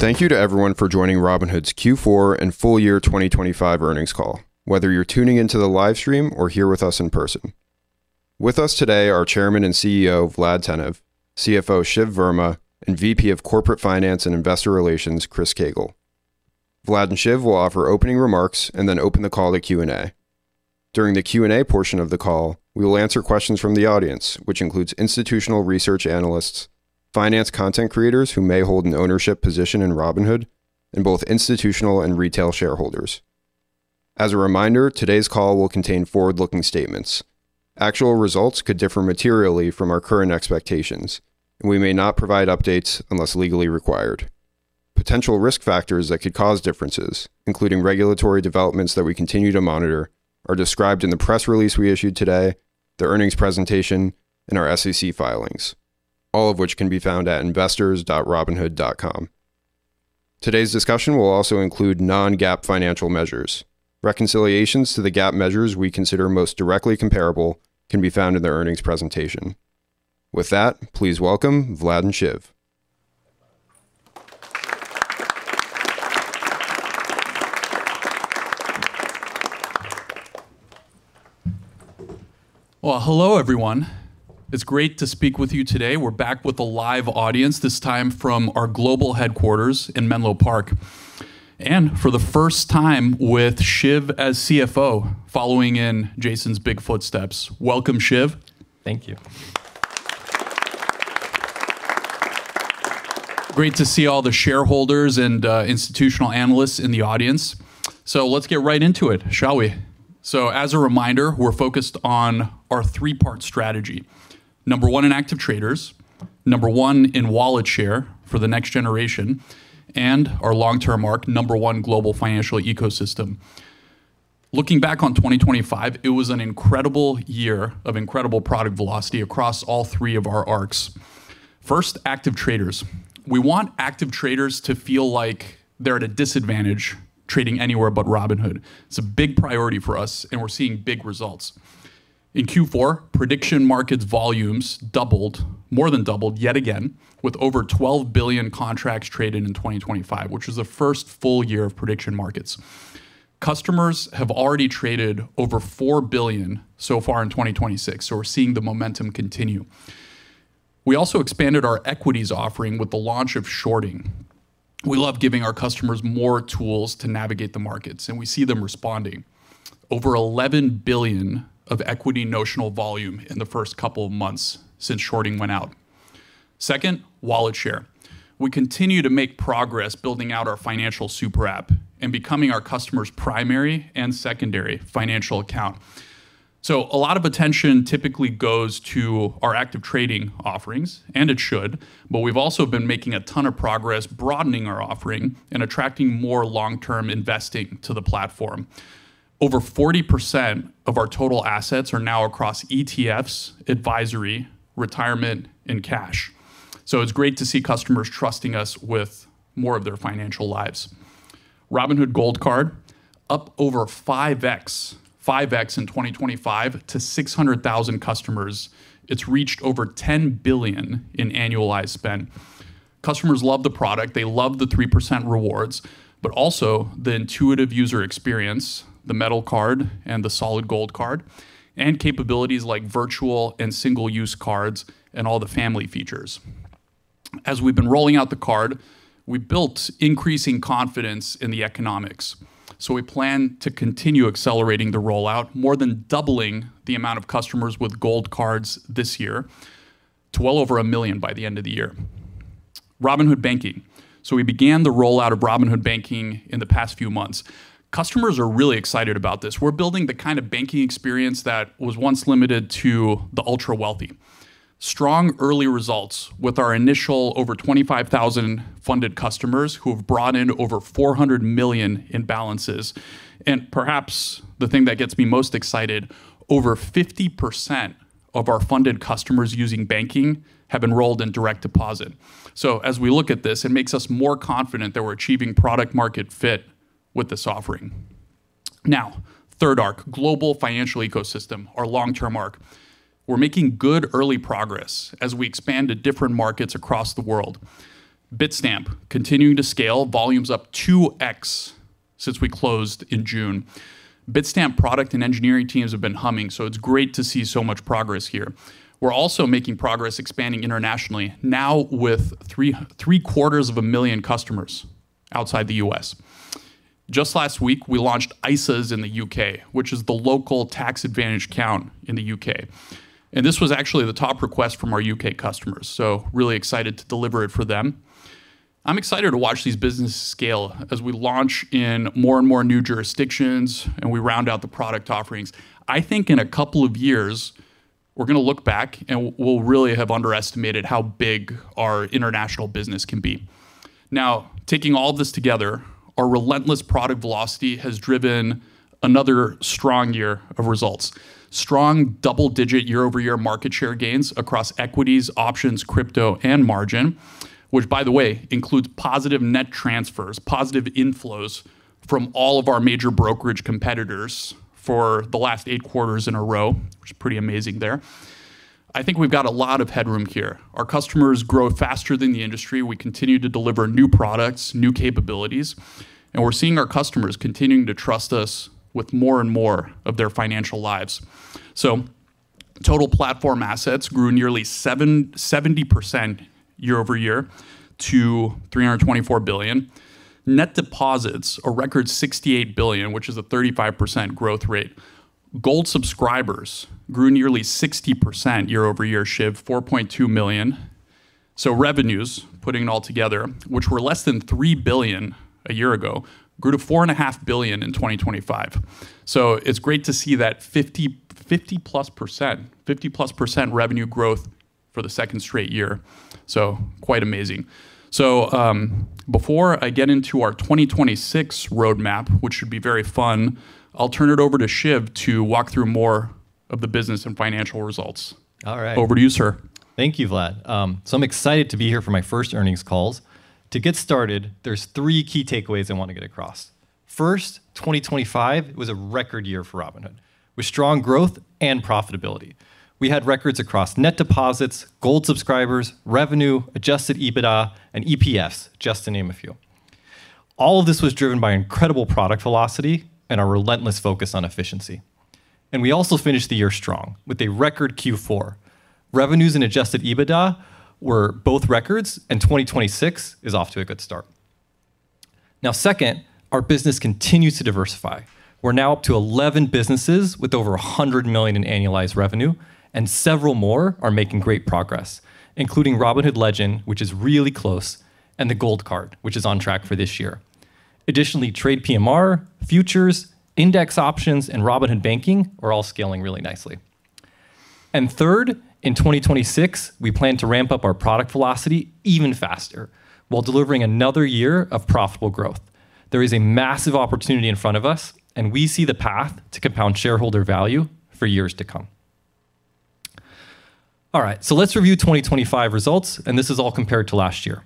Thank you to everyone for joining Robinhood's Q4 and full-year 2025 earnings call, whether you're tuning into the livestream or here with us in person. With us today are Chairman and CEO Vlad Tenev, CFO Shiv Varma, and VP of Corporate Finance and Investor Relations Chris Koegel. Vlad and Shiv will offer opening remarks and then open the call to Q&A. During the Q&A portion of the call, we will answer questions from the audience, which includes institutional research analysts, finance content creators who may hold an ownership position in Robinhood, and both institutional and retail shareholders. As a reminder, today's call will contain forward-looking statements. Actual results could differ materially from our current expectations, and we may not provide updates unless legally required. Potential risk factors that could cause differences, including regulatory developments that we continue to monitor, are described in the press release we issued today, the earnings presentation, and our SEC filings, all of which can be found at investors.robinhood.com. Today's discussion will also include Non-GAAP financial measures. Reconciliations to the GAAP measures we consider most directly comparable can be found in the earnings presentation. With that, please welcome Vlad and Shiv. Well, hello everyone. It's great to speak with you today. We're back with a live audience, this time from our global headquarters in Menlo Park. And for the first time with Shiv as CFO, following in Jason's big footsteps. Welcome, Shiv. Thank you. Great to see all the shareholders and institutional analysts in the audience. So let's get right into it, shall we? So as a reminder, we're focused on our three-part strategy: number one in active traders, number one in wallet share for the next generation, and our long-term arc, number one global financial ecosystem. Looking back on 2025, it was an incredible year of incredible product velocity across all three of our arcs. First, active traders. We want active traders to feel like they're at a disadvantage trading anywhere but Robinhood. It's a big priority for us, and we're seeing big results. In Q4, prediction markets volumes doubled, more than doubled, yet again, with over $12 billion contracts traded in 2025, which was the first full year of prediction markets. Customers have already traded over $4 billion so far in 2026, so we're seeing the momentum continue. We also expanded our equities offering with the launch of shorting. We love giving our customers more tools to navigate the markets, and we see them responding. Over $11 billion of equity notional volume in the first couple of months since shorting went out. Second, wallet share. We continue to make progress building out our financial super app and becoming our customers' primary and secondary financial account. So a lot of attention typically goes to our active trading offerings, and it should, but we've also been making a ton of progress broadening our offering and attracting more long-term investing to the platform. Over 40% of our total assets are now across ETFs, advisory, retirement, and cash. So it's great to see customers trusting us with more of their financial lives. Robinhood Gold Card: up over 5x, 5x in 2025 to 600,000 customers. It's reached over $10 billion in annualized spend. Customers love the product. They love the 3% rewards, but also the intuitive user experience, the metal card and the solid Gold card, and capabilities like virtual and single-use cards and all the family features. As we've been rolling out the card, we've built increasing confidence in the economics. So we plan to continue accelerating the rollout, more than doubling the amount of customers with Gold Cards this year to well over 1 million by the end of the year. Robinhood Banking: so we began the rollout of Robinhood Banking in the past few months. Customers are really excited about this. We're building the kind of banking experience that was once limited to the ultra-wealthy. Strong early results with our initial over 25,000 funded customers who have brought in over $400 million in balances. Perhaps the thing that gets me most excited, over 50% of our funded customers using banking have enrolled in direct deposit. So as we look at this, it makes us more confident that we're achieving product-market fit with this offering. Now, third arc: global financial ecosystem, our long-term arc. We're making good early progress as we expand to different markets across the world. Bitstamp: continuing to scale, volumes up 2x since we closed in June. Bitstamp product and engineering teams have been humming, so it's great to see so much progress here. We're also making progress expanding internationally, now with 750,000 customers outside the U.S. Just last week, we launched ISAs in the U.K., which is the local tax-advantaged account in the U.K. And this was actually the top request from our U.K. customers, so really excited to deliver it for them. I'm excited to watch these businesses scale as we launch in more and more new jurisdictions and we round out the product offerings. I think in a couple of years, we're going to look back and we'll really have underestimated how big our international business can be. Now, taking all of this together, our relentless product velocity has driven another strong year of results. Strong double-digit year-over-year market share gains across equities, options, crypto, and margin, which, by the way, includes positive net transfers, positive inflows from all of our major brokerage competitors for the last 8 quarters in a row, which is pretty amazing there. I think we've got a lot of headroom here. Our customers grow faster than the industry. We continue to deliver new products, new capabilities, and we're seeing our customers continuing to trust us with more and more of their financial lives. So total platform assets grew nearly 70% year-over-year to $324 billion. Net deposits: a record $68 billion, which is a 35% growth rate. Gold subscribers grew nearly 60% year-over-year, Shiv, 4.2 million. So revenues, putting it all together, which were less than $3 billion a year ago, grew to $4.5 billion in 2025. So it's great to see that 50+% revenue growth for the second straight year. So quite amazing. So, before I get into our 2026 roadmap, which should be very fun, I'll turn it over to Shiv to walk through more of the business and financial results. All right. Over to you, sir. Thank you, Vlad. I'm excited to be here for my first earnings calls. To get started, there's three key takeaways I want to get across. First, 2025 was a record year for Robinhood, with strong growth and profitability. We had records across net deposits, Gold subscribers, revenue, Adjusted EBITDA, and EPS, just to name a few. All of this was driven by incredible product velocity and our relentless focus on efficiency. We also finished the year strong, with a record Q4. Revenues and Adjusted EBITDA were both records, and 2026 is off to a good start. Now, second, our business continues to diversify. We're now up to 11 businesses with over $100 million in annualized revenue, and several more are making great progress, including Robinhood Legend, which is really close, and the Gold Card, which is on track for this year. Additionally, TradePMR, futures, index options, and Robinhood Banking are all scaling really nicely. And third, in 2026, we plan to ramp up our product velocity even faster while delivering another year of profitable growth. There is a massive opportunity in front of us, and we see the path to compound shareholder value for years to come. All right, so let's review 2025 results, and this is all compared to last year.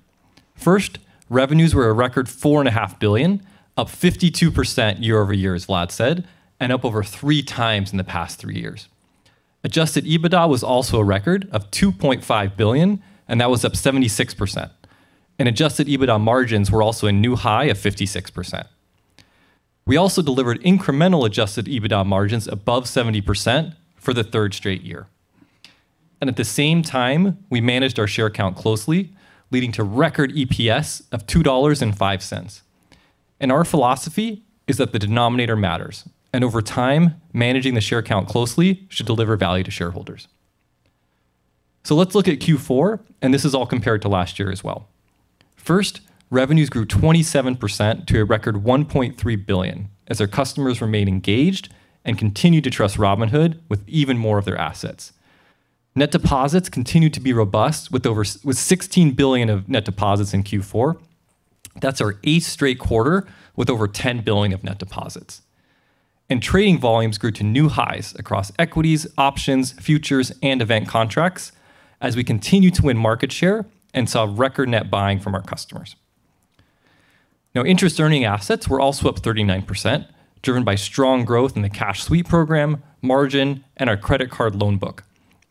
First, revenues were a record $4.5 billion, up 52% year-over-year, as Vlad said, and up over three times in the past three years. Adjusted EBITDA was also a record of $2.5 billion, and that was up 76%. And Adjusted EBITDA margins were also a new high of 56%. We also delivered incremental Adjusted EBITDA margins above 70% for the third straight year. At the same time, we managed our share count closely, leading to record EPS of $2.05. Our philosophy is that the denominator matters, and over time, managing the share count closely should deliver value to shareholders. Let's look at Q4, and this is all compared to last year as well. First, revenues grew 27% to a record $1.3 billion as our customers remained engaged and continued to trust Robinhood with even more of their assets. Net deposits continued to be robust, with over $16 billion of net deposits in Q4. That's our eighth straight quarter with over $10 billion of net deposits. Trading volumes grew to new highs across equities, options, futures, and event contracts as we continued to win market share and saw record net buying from our customers. Now, interest-earning assets were also up 39%, driven by strong growth in the Cash Sweep program, margin, and our credit card loan book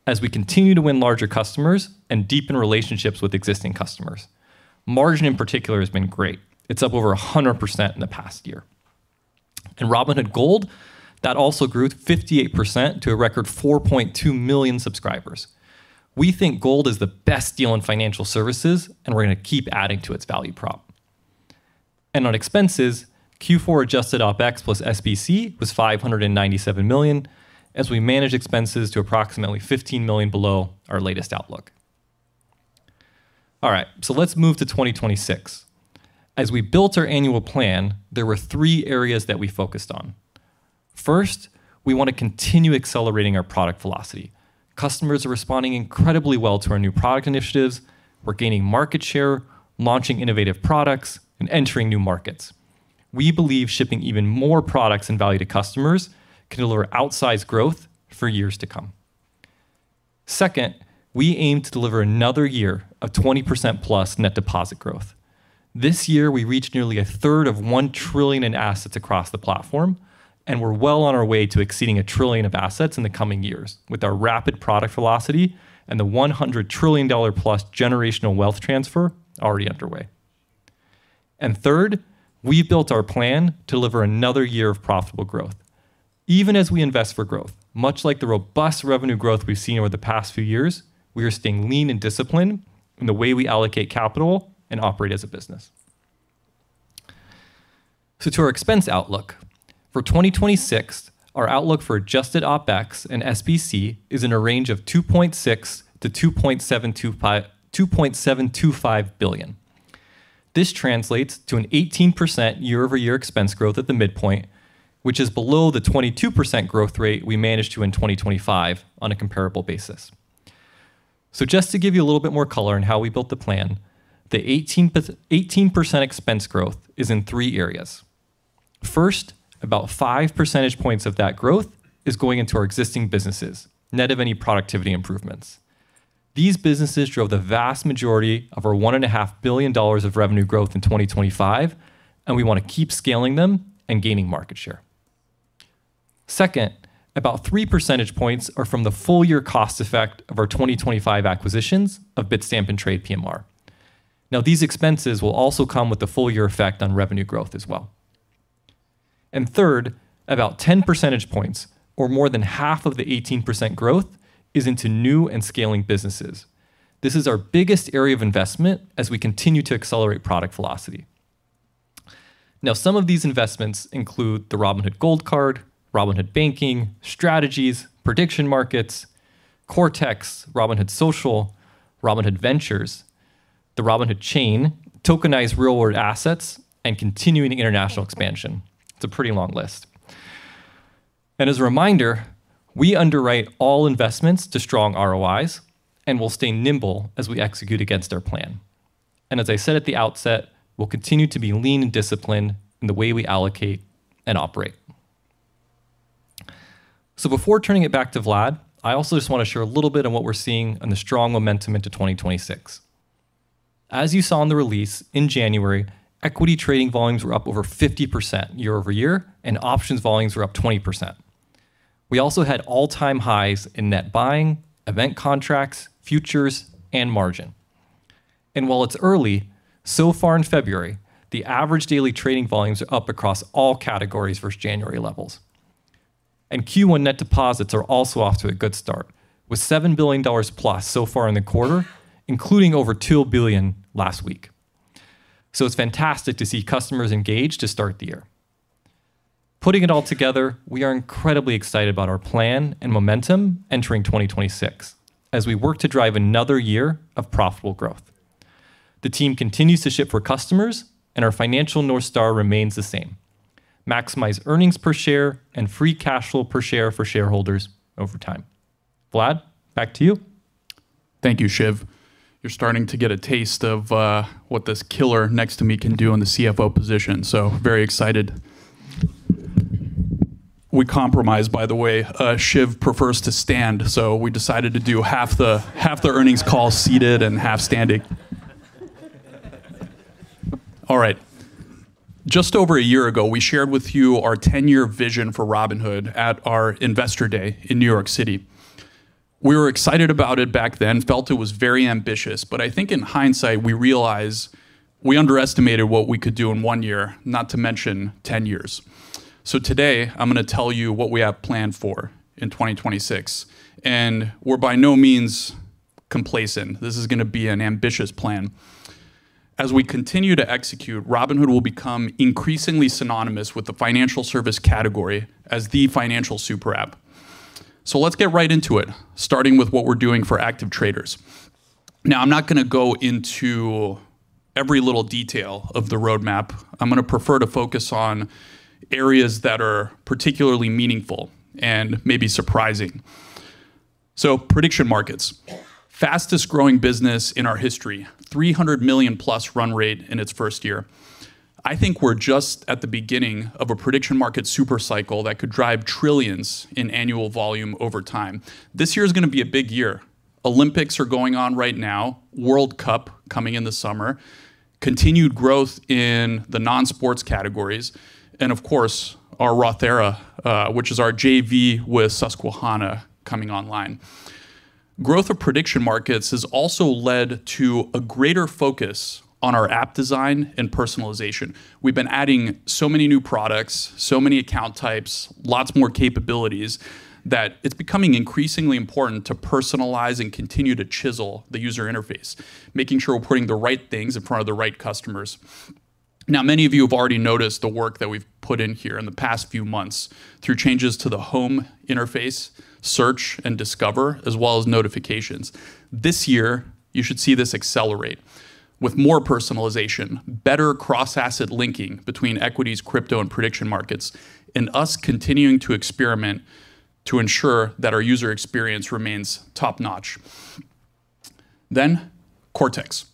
as we continue to win larger customers and deepen relationships with existing customers. Margin, in particular, has been great. It's up over 100% in the past year. Robinhood Gold that also grew 58% to a record 4.2 million subscribers. We think Gold is the best deal in financial services, and we're going to keep adding to its value prop. On expenses, Q4 adjusted OpEx plus SBC was $597 million as we managed expenses to approximately $15 million below our latest outlook. All right, so let's move to 2026. As we built our annual plan, there were three areas that we focused on. First, we want to continue accelerating our product velocity. Customers are responding incredibly well to our new product initiatives. We're gaining market share, launching innovative products, and entering new markets. We believe shipping even more products and value to customers can deliver outsized growth for years to come. Second, we aim to deliver another year of 20%+ net deposit growth. This year, we reached nearly a third of $1 trillion in assets across the platform, and we're well on our way to exceeding $1 trillion of assets in the coming years with our rapid product velocity and the $100 trillion+ generational wealth transfer already underway. And third, we've built our plan to deliver another year of profitable growth. Even as we invest for growth, much like the robust revenue growth we've seen over the past few years, we are staying lean and disciplined in the way we allocate capital and operate as a business. So to our expense outlook, for 2026, our outlook for adjusted OpEx and SBC is in a range of $2.6 billion-$2.725 billion. This translates to an 18% year-over-year expense growth at the midpoint, which is below the 22% growth rate we managed to in 2025 on a comparable basis. So just to give you a little bit more color in how we built the plan, the 18% expense growth is in three areas. First, about 5 percentage points of that growth is going into our existing businesses, net of any productivity improvements. These businesses drove the vast majority of our $1.5 billion of revenue growth in 2025, and we want to keep scaling them and gaining market share. Second, about 3 percentage points are from the full-year cost effect of our 2025 acquisitions of Bitstamp and TradePMR. Now, these expenses will also come with the full-year effect on revenue growth as well. And third, about 10 percentage points, or more than half of the 18% growth, is into new and scaling businesses. This is our biggest area of investment as we continue to accelerate product velocity. Now, some of these investments include the Robinhood Gold Card, Robinhood Banking, Strategies, Prediction Markets, Cortex, Robinhood Social, Robinhood Ventures, the Robinhood Chain, tokenized real-world assets, and continuing international expansion. It's a pretty long list. And as a reminder, we underwrite all investments to strong ROIs and will stay nimble as we execute against our plan. And as I said at the outset, we'll continue to be lean and disciplined in the way we allocate and operate. So before turning it back to Vlad, I also just want to share a little bit on what we're seeing on the strong momentum into 2026. As you saw in the release in January, equity trading volumes were up over 50% year-over-year, and options volumes were up 20%. We also had all-time highs in net buying, event contracts, futures, and margin. And while it's early, so far in February, the average daily trading volumes are up across all categories versus January levels. And Q1 net deposits are also off to a good start with $7+ billion so far in the quarter, including over $2 billion last week. So it's fantastic to see customers engaged to start the year. Putting it all together, we are incredibly excited about our plan and momentum entering 2026 as we work to drive another year of profitable growth. The team continues to ship for customers, and our financial North Star remains the same: maximize earnings per share and free cash flow per share for shareholders over time. Vlad, back to you. Thank you, Shiv. You're starting to get a taste of what this killer next to me can do in the CFO position. So very excited. We compromised, by the way. Shiv prefers to stand, so we decided to do half the earnings call seated and half standing. All right. Just over a year ago, we shared with you our 10-year vision for Robinhood at our investor day in New York City. We were excited about it back then, felt it was very ambitious, but I think in hindsight, we realized we underestimated what we could do in one year, not to mention 10 years. So today, I'm going to tell you what we have planned for in 2026. We're by no means complacent. This is going to be an ambitious plan. As we continue to execute, Robinhood will become increasingly synonymous with the financial service category as the financial super app. So let's get right into it, starting with what we're doing for active traders. Now, I'm not going to go into every little detail of the roadmap. I'm going to prefer to focus on areas that are particularly meaningful and maybe surprising. So prediction markets: fastest growing business in our history, $300+ million run rate in its first year. I think we're just at the beginning of a prediction market super cycle that could drive trillions in annual volume over time. This year is going to be a big year. Olympics are going on right now, World Cup coming in the summer, continued growth in the non-sports categories, and of course, our Rothera, which is our JV with Susquehanna coming online. Growth of prediction markets has also led to a greater focus on our app design and personalization. We've been adding so many new products, so many account types, lots more capabilities that it's becoming increasingly important to personalize and continue to chisel the user interface, making sure we're putting the right things in front of the right customers. Now, many of you have already noticed the work that we've put in here in the past few months through changes to the home interface, search, and discover, as well as notifications. This year, you should see this accelerate with more personalization, better cross-asset linking between equities, crypto, and prediction markets, and us continuing to experiment to ensure that our user experience remains top-notch. Then, Cortex.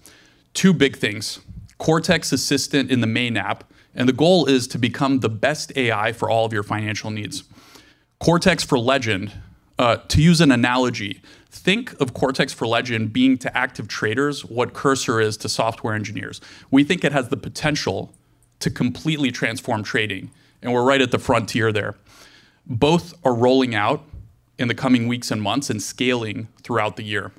Two big things: Cortex Assistant in the main app, and the goal is to become the best AI for all of your financial needs. Cortex for Legend, to use an analogy, think of Cortex for Legend being to active traders what Cursor is to software engineers. We think it has the potential to completely transform trading, and we're right at the frontier there. Both are rolling out in the coming weeks and months and scaling throughout the year.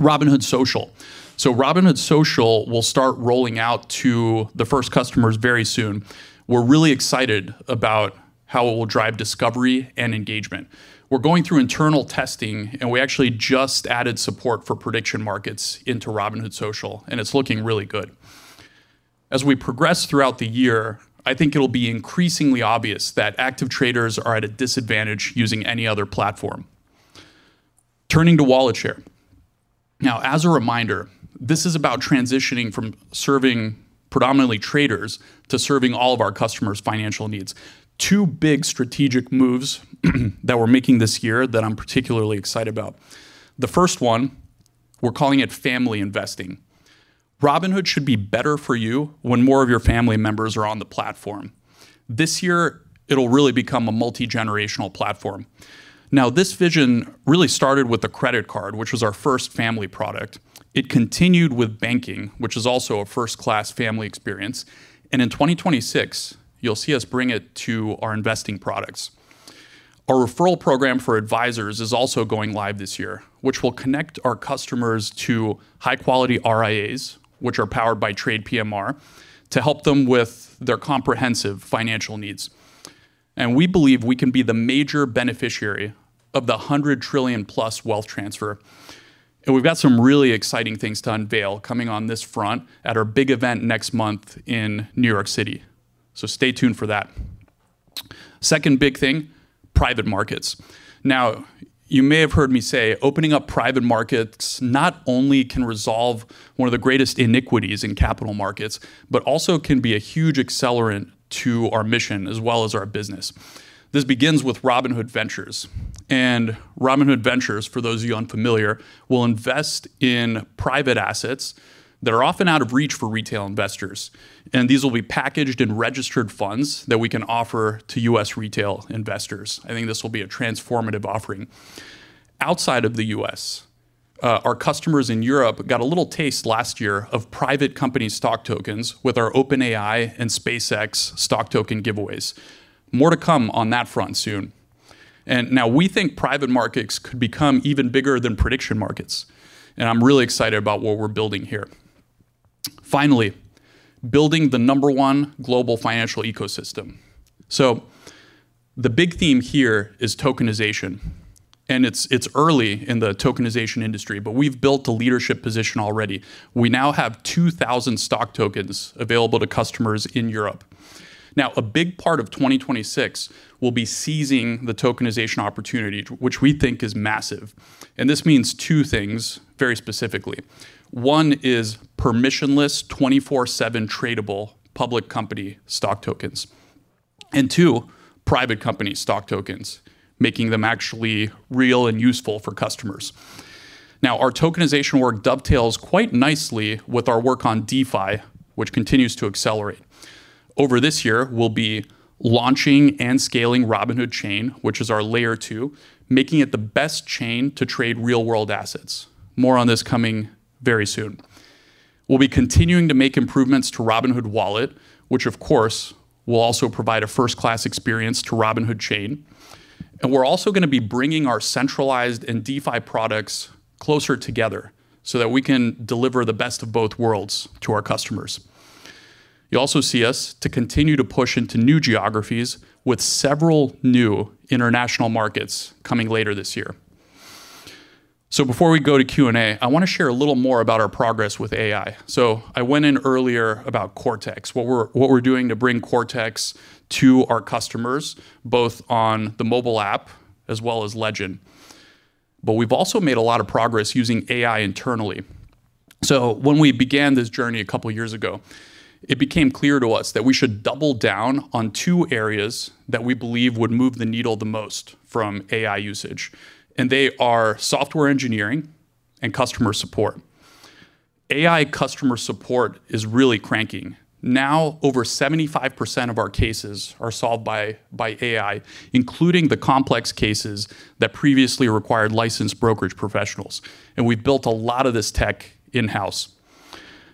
Robinhood Social. So Robinhood Social will start rolling out to the first customers very soon. We're really excited about how it will drive discovery and engagement. We're going through internal testing, and we actually just added support for prediction markets into Robinhood Social, and it's looking really good. As we progress throughout the year, I think it'll be increasingly obvious that active traders are at a disadvantage using any other platform. Turning to wallet share. Now, as a reminder, this is about transitioning from serving predominantly traders to serving all of our customers' financial needs. Two big strategic moves that we're making this year that I'm particularly excited about. The first one, we're calling it Family Investing. Robinhood should be better for you when more of your family members are on the platform. This year, it'll really become a multi-generational platform. Now, this vision really started with the credit card, which was our first family product. It continued with banking, which is also a first-class family experience. In 2026, you'll see us bring it to our investing products. Our referral program for advisors is also going live this year, which will connect our customers to high-quality RIAs, which are powered by TradePMR, to help them with their comprehensive financial needs. We believe we can be the major beneficiary of the $100 trillion+ wealth transfer. We've got some really exciting things to unveil coming on this front at our big event next month in New York City. Stay tuned for that. Second big thing: private markets. Now, you may have heard me say opening up private markets not only can resolve one of the greatest iniquities in capital markets, but also can be a huge accelerant to our mission as well as our business. This begins with Robinhood Ventures. Robinhood Ventures, for those of you unfamiliar, will invest in private assets that are often out of reach for retail investors. These will be packaged in registered funds that we can offer to U.S. retail investors. I think this will be a transformative offering. Outside of the U.S., our customers in Europe got a little taste last year of private company stock tokens with our OpenAI and SpaceX stock token giveaways. More to come on that front soon. Now we think private markets could become even bigger than prediction markets. I'm really excited about what we're building here. Finally, building the number one global financial ecosystem. The big theme here is tokenization. It's early in the tokenization industry, but we've built a leadership position already. We now have 2,000 stock tokens available to customers in Europe. A big part of 2026 will be seizing the tokenization opportunity, which we think is massive. This means two things very specifically. One is permissionless, 24/7 tradable public company stock tokens. Two, private company stock tokens, making them actually real and useful for customers. Our tokenization work dovetails quite nicely with our work on DeFi, which continues to accelerate. Over this year, we'll be launching and scaling Robinhood Chain, which is our Layer 2, making it the best chain to trade real-world assets. More on this coming very soon. We'll be continuing to make improvements to Robinhood Wallet, which, of course, will also provide a first-class experience to Robinhood Chain. And we're also going to be bringing our centralized and DeFi products closer together so that we can deliver the best of both worlds to our customers. You'll also see us continue to push into new geographies with several new international markets coming later this year. Before we go to Q&A, I want to share a little more about our progress with AI. So I went in earlier about Cortex, what we're doing to bring Cortex to our customers, both on the mobile app as well as Legend. But we've also made a lot of progress using AI internally. So when we began this journey a couple of years ago, it became clear to us that we should double down on two areas that we believe would move the needle the most from AI usage. And they are software engineering and customer support. AI customer support is really cranking. Now, over 75% of our cases are solved by AI, including the complex cases that previously required licensed brokerage professionals. And we've built a lot of this tech in-house.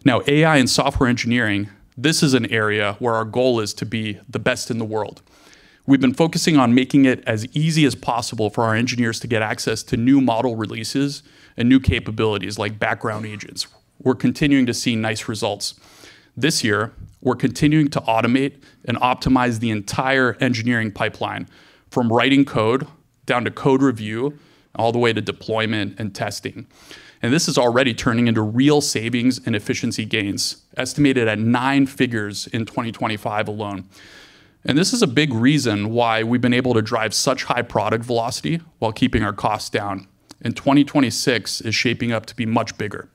Now, AI and software engineering, this is an area where our goal is to be the best in the world. We've been focusing on making it as easy as possible for our engineers to get access to new model releases and new capabilities like background agents. We're continuing to see nice results. This year, we're continuing to automate and optimize the entire engineering pipeline from writing code down to code review all the way to deployment and testing. This is already turning into real savings and efficiency gains, estimated at nine figures in 2025 alone. This is a big reason why we've been able to drive such high product velocity while keeping our costs down. 2026 is shaping up to be much bigger.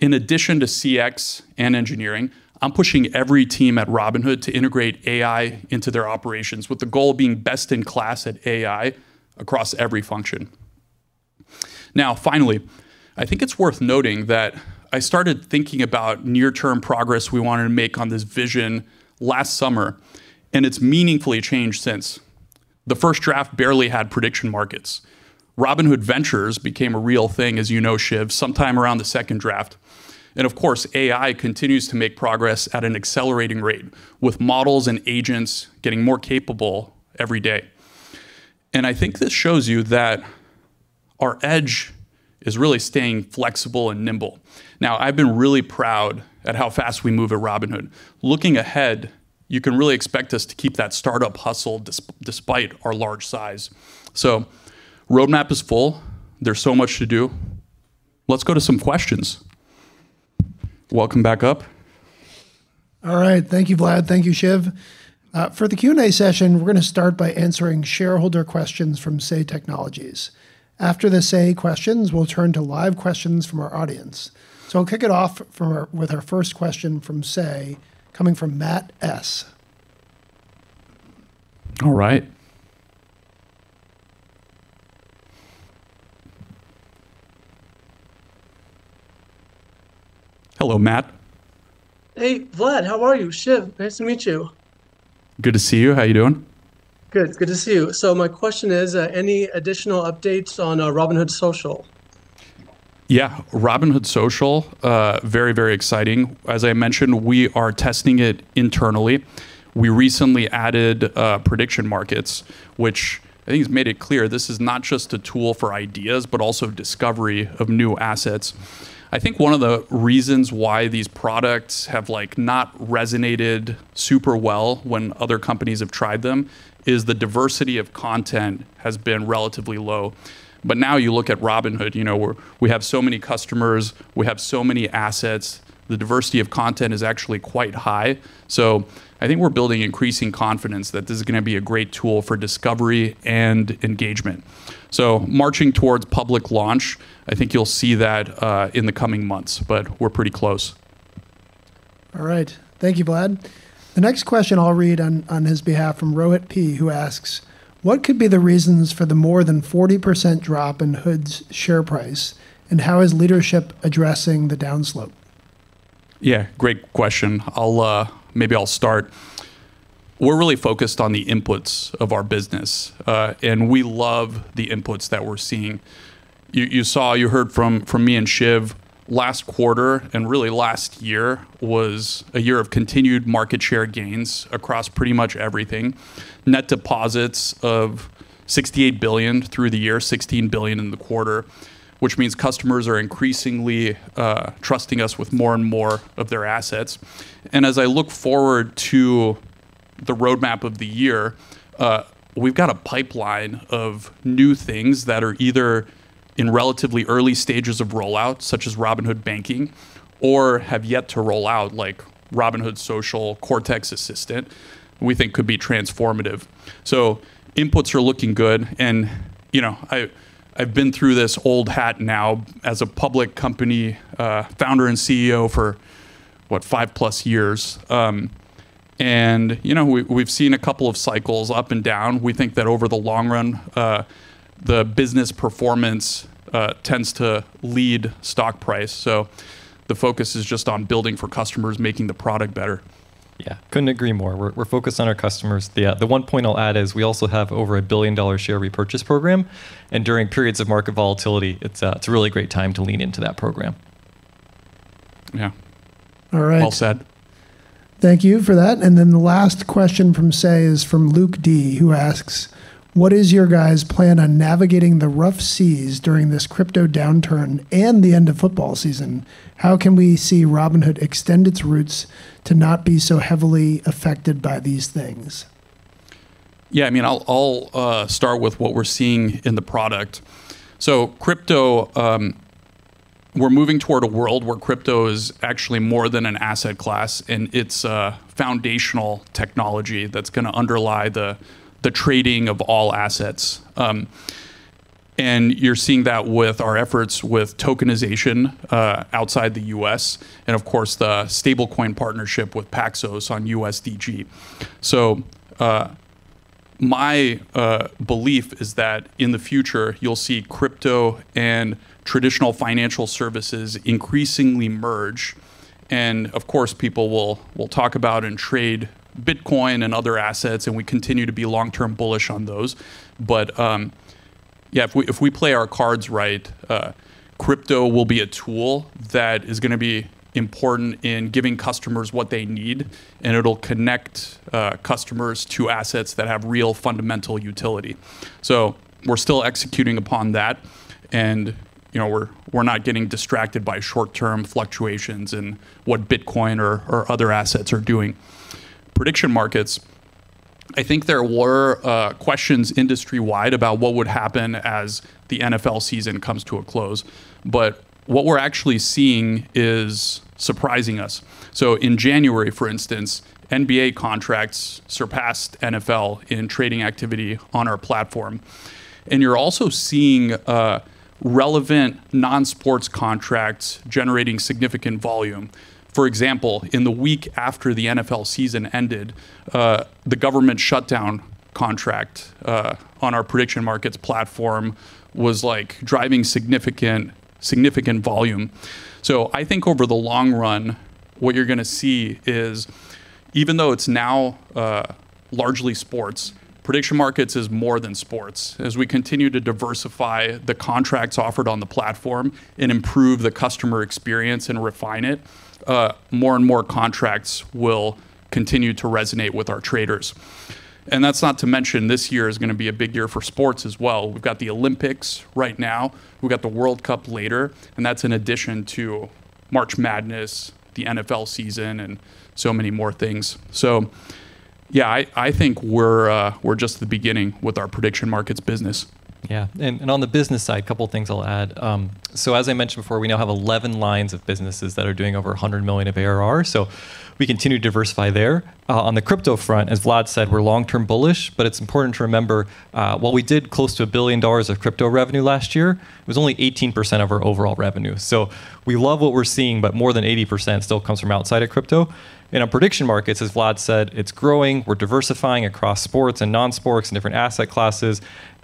In addition to CX and engineering, I'm pushing every team at Robinhood to integrate AI into their operations, with the goal being best in class at AI across every function. Now, finally, I think it's worth noting that I started thinking about near-term progress we wanted to make on this vision last summer, and it's meaningfully changed since. The first draft barely had prediction markets. Robinhood Ventures became a real thing, as you know, Shiv, sometime around the second draft. Of course, AI continues to make progress at an accelerating rate, with models and agents getting more capable every day. I think this shows you that our edge is really staying flexible and nimble. Now, I've been really proud at how fast we move at Robinhood. Looking ahead, you can really expect us to keep that startup hustle despite our large size. Roadmap is full. There's so much to do. Let's go to some questions. Welcome back up. All right. Thank you, Vlad. Thank you, Shiv. For the Q&A session, we're going to start by answering shareholder questions from Say Technologies. After the Say questions, we'll turn to live questions from our audience. So I'll kick it off with our first question from Say, coming from Matt S. All right. Hello, Matt. Hey, Vlad. How are you, Shiv? Nice to meet you. Good to see you. How are you doing? Good. Good to see you. So my question is, any additional updates on Robinhood Social? Yeah. Robinhood Social, very, very exciting. As I mentioned, we are testing it internally. We recently added prediction markets, which I think has made it clear this is not just a tool for ideas, but also discovery of new assets. I think one of the reasons why these products have not resonated super well when other companies have tried them is the diversity of content has been relatively low. But now you look at Robinhood, we have so many customers, we have so many assets, the diversity of content is actually quite high. So I think we're building increasing confidence that this is going to be a great tool for discovery and engagement. So marching towards public launch, I think you'll see that in the coming months, but we're pretty close. All right. Thank you, Vlad. The next question I'll read on his behalf from Rohit P, who asks, what could be the reasons for the more than 40% drop in HOOD's share price, and how is leadership addressing the downslope? Yeah, great question. Maybe I'll start. We're really focused on the inputs of our business, and we love the inputs that we're seeing. You saw, you heard from me and Shiv, last quarter and really last year was a year of continued market share gains across pretty much everything, net deposits of $68 billion through the year, $16 billion in the quarter, which means customers are increasingly trusting us with more and more of their assets. And as I look forward to the roadmap of the year, we've got a pipeline of new things that are either in relatively early stages of rollout, such as Robinhood Banking, or have yet to roll out, like Robinhood Social, Cortex Assistant, we think could be transformative. So inputs are looking good. And I've been through this old hat now as a public company founder and CEO for, what, 5+ years. We've seen a couple of cycles up and down. We think that over the long run, the business performance tends to lead stock price. The focus is just on building for customers, making the product better. Yeah. Couldn't agree more. We're focused on our customers. The one point I'll add is we also have over a billion-dollar share repurchase program. And during periods of market volatility, it's a really great time to lean into that program. Yeah. All right. All set. Thank you for that. And then the last question from Say is from Luke D, who asks, what is your guy's plan on navigating the rough seas during this crypto downturn and the end of football season? How can we see Robinhood extend its roots to not be so heavily affected by these things? Yeah. I mean, I'll start with what we're seeing in the product. So crypto, we're moving toward a world where crypto is actually more than an asset class, and it's a foundational technology that's going to underlie the trading of all assets. And you're seeing that with our efforts with tokenization outside the U.S. and, of course, the stablecoin partnership with Paxos on U.S.DG. So my belief is that in the future, you'll see crypto and traditional financial services increasingly merge. And of course, people will talk about and trade Bitcoin and other assets, and we continue to be long-term bullish on those. But yeah, if we play our cards right, crypto will be a tool that is going to be important in giving customers what they need, and it'll connect customers to assets that have real fundamental utility. So we're still executing upon that, and we're not getting distracted by short-term fluctuations in what Bitcoin or other assets are doing. Prediction markets, I think there were questions industry-wide about what would happen as the NFL season comes to a close. But what we're actually seeing is surprising us. So in January, for instance, NBA contracts surpassed NFL in trading activity on our platform. And you're also seeing relevant non-sports contracts generating significant volume. For example, in the week after the NFL season ended, the government shutdown contract on our prediction markets platform was driving significant volume. So I think over the long run, what you're going to see is even though it's now largely sports, prediction markets is more than sports. As we continue to diversify the contracts offered on the platform and improve the customer experience and refine it, more and more contracts will continue to resonate with our traders. And that's not to mention this year is going to be a big year for sports as well. We've got the Olympics right now. We've got the World Cup later. And that's in addition to March Madness, the NFL season, and so many more things. So yeah, I think we're just at the beginning with our prediction markets business. Yeah. And on the business side, a couple of things I'll add. So as I mentioned before, we now have 11 lines of businesses that are doing over $100 million of ARR. So we continue to diversify there. On the crypto front, as Vlad said, we're long-term bullish. But it's important to remember, while we did close to $1 billion of crypto revenue last year, it was only 18% of our overall revenue. So we love what we're seeing, but more than 80% still comes from outside of crypto. And on prediction markets, as Vlad said, it's growing. We're diversifying across sports and non-sports and different asset classes.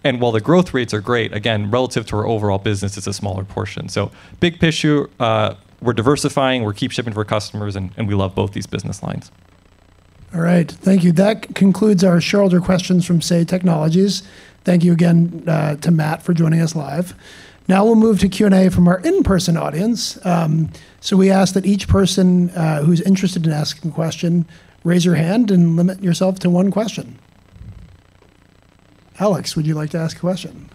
And while the growth rates are great, again, relative to our overall business, it's a smaller portion. So big issue, we're diversifying, we keep shipping to our customers, and we love both these business lines. All right. Thank you. That concludes our shareholder questions from Say Technologies. Thank you again to Matt for joining us live. Now we'll move to Q&A from our in-person audience. So we ask that each person who's interested in asking a question raise your hand and limit yourself to one question. Alex, would you like to ask a question?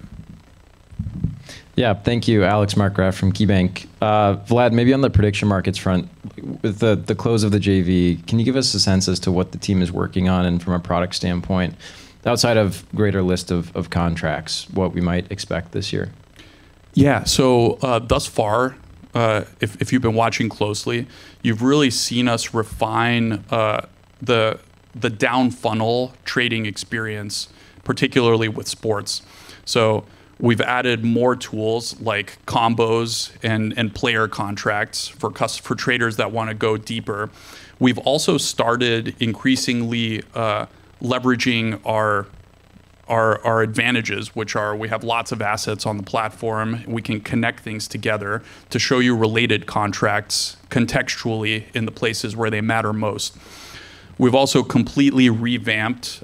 Yeah. Thank you, Alex Markgraff from KeyBanc. Vlad, maybe on the prediction markets front, with the close of the JV, can you give us a sense as to what the team is working on and from a product standpoint, outside of greater list of contracts, what we might expect this year? Yeah. So thus far, if you've been watching closely, you've really seen us refine the downfunnel trading experience, particularly with sports. So we've added more tools like combos and player contracts for traders that want to go deeper. We've also started increasingly leveraging our advantages, which are we have lots of assets on the platform. We can connect things together to show you related contracts contextually in the places where they matter most. We've also completely revamped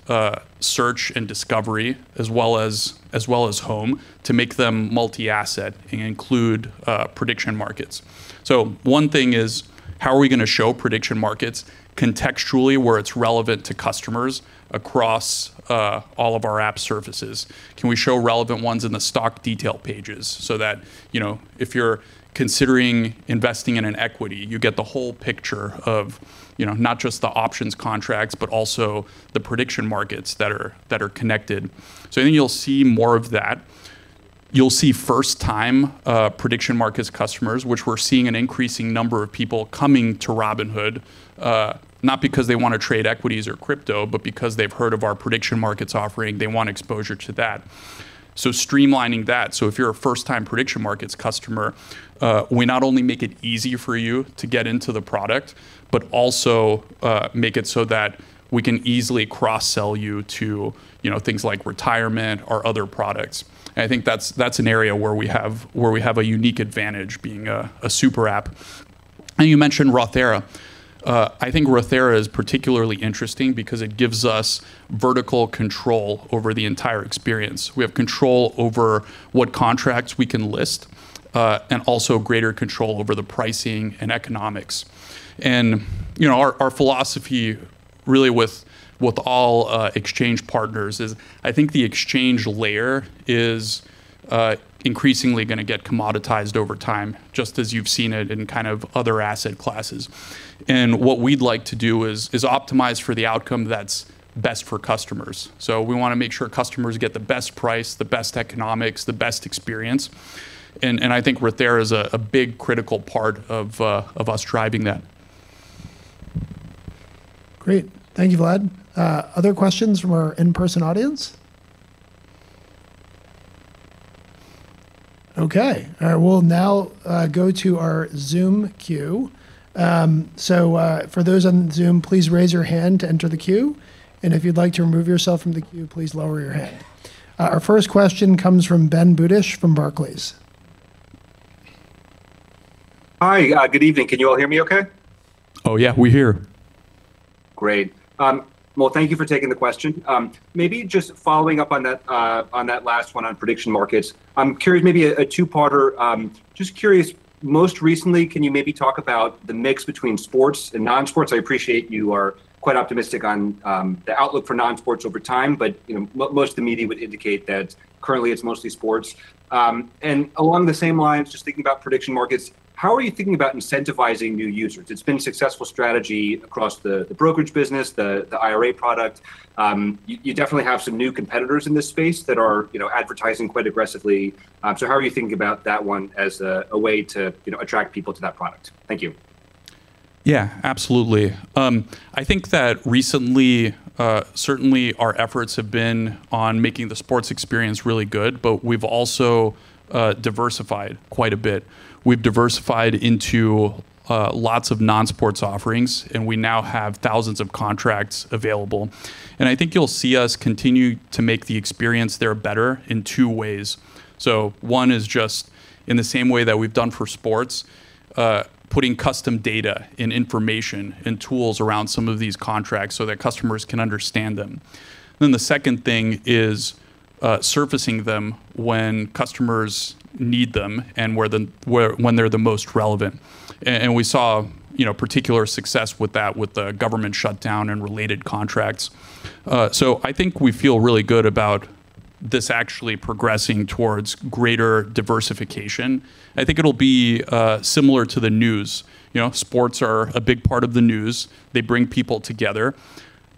search and discovery as well as home to make them multi-asset and include prediction markets. So one thing is, how are we going to show prediction markets contextually where it's relevant to customers across all of our app surfaces? Can we show relevant ones in the stock detail pages so that if you're considering investing in an equity, you get the whole picture of not just the options contracts, but also the prediction markets that are connected? So I think you'll see more of that. You'll see first-time prediction markets customers, which we're seeing an increasing number of people coming to Robinhood, not because they want to trade equities or crypto, but because they've heard of our prediction markets offering. They want exposure to that. So streamlining that. So if you're a first-time prediction markets customer, we not only make it easy for you to get into the product, but also make it so that we can easily cross-sell you to things like retirement or other products. And I think that's an area where we have a unique advantage being a super app. And you mentioned Rothera. I think Rothera is particularly interesting because it gives us vertical control over the entire experience. We have control over what contracts we can list and also greater control over the pricing and economics. Our philosophy, really, with all exchange partners is I think the exchange layer is increasingly going to get commoditized over time, just as you've seen it in kind of other asset classes. What we'd like to do is optimize for the outcome that's best for customers. We want to make sure customers get the best price, the best economics, the best experience. I think Rothera is a big critical part of us driving that. Great. Thank you, Vlad. Other questions from our in-person audience? Okay. All right. We'll now go to our Zoom queue. So for those on Zoom, please raise your hand to enter the queue. And if you'd like to remove yourself from the queue, please lower your hand. Our first question comes from Ben Budish from Barclays. Hi. Good evening. Can you all hear me okay? Oh, yeah. We hear. Great. Well, thank you for taking the question. Maybe just following up on that last one on prediction markets, I'm curious, maybe a two-parter, just curious, most recently, can you maybe talk about the mix between sports and non-sports? I appreciate you are quite optimistic on the outlook for non-sports over time, but most of the media would indicate that currently, it's mostly sports. And along the same lines, just thinking about prediction markets, how are you thinking about incentivizing new users? It's been a successful strategy across the brokerage business, the IRA product. You definitely have some new competitors in this space that are advertising quite aggressively. So how are you thinking about that one as a way to attract people to that product? Thank you. Yeah, absolutely. I think that recently, certainly, our efforts have been on making the sports experience really good, but we've also diversified quite a bit. We've diversified into lots of non-sports offerings, and we now have thousands of contracts available. And I think you'll see us continue to make the experience there better in two ways. So one is just in the same way that we've done for sports, putting custom data and information and tools around some of these contracts so that customers can understand them. Then the second thing is surfacing them when customers need them and when they're the most relevant. And we saw particular success with that with the government shutdown and related contracts. So I think we feel really good about this actually progressing towards greater diversification. I think it'll be similar to the news. Sports are a big part of the news. They bring people together.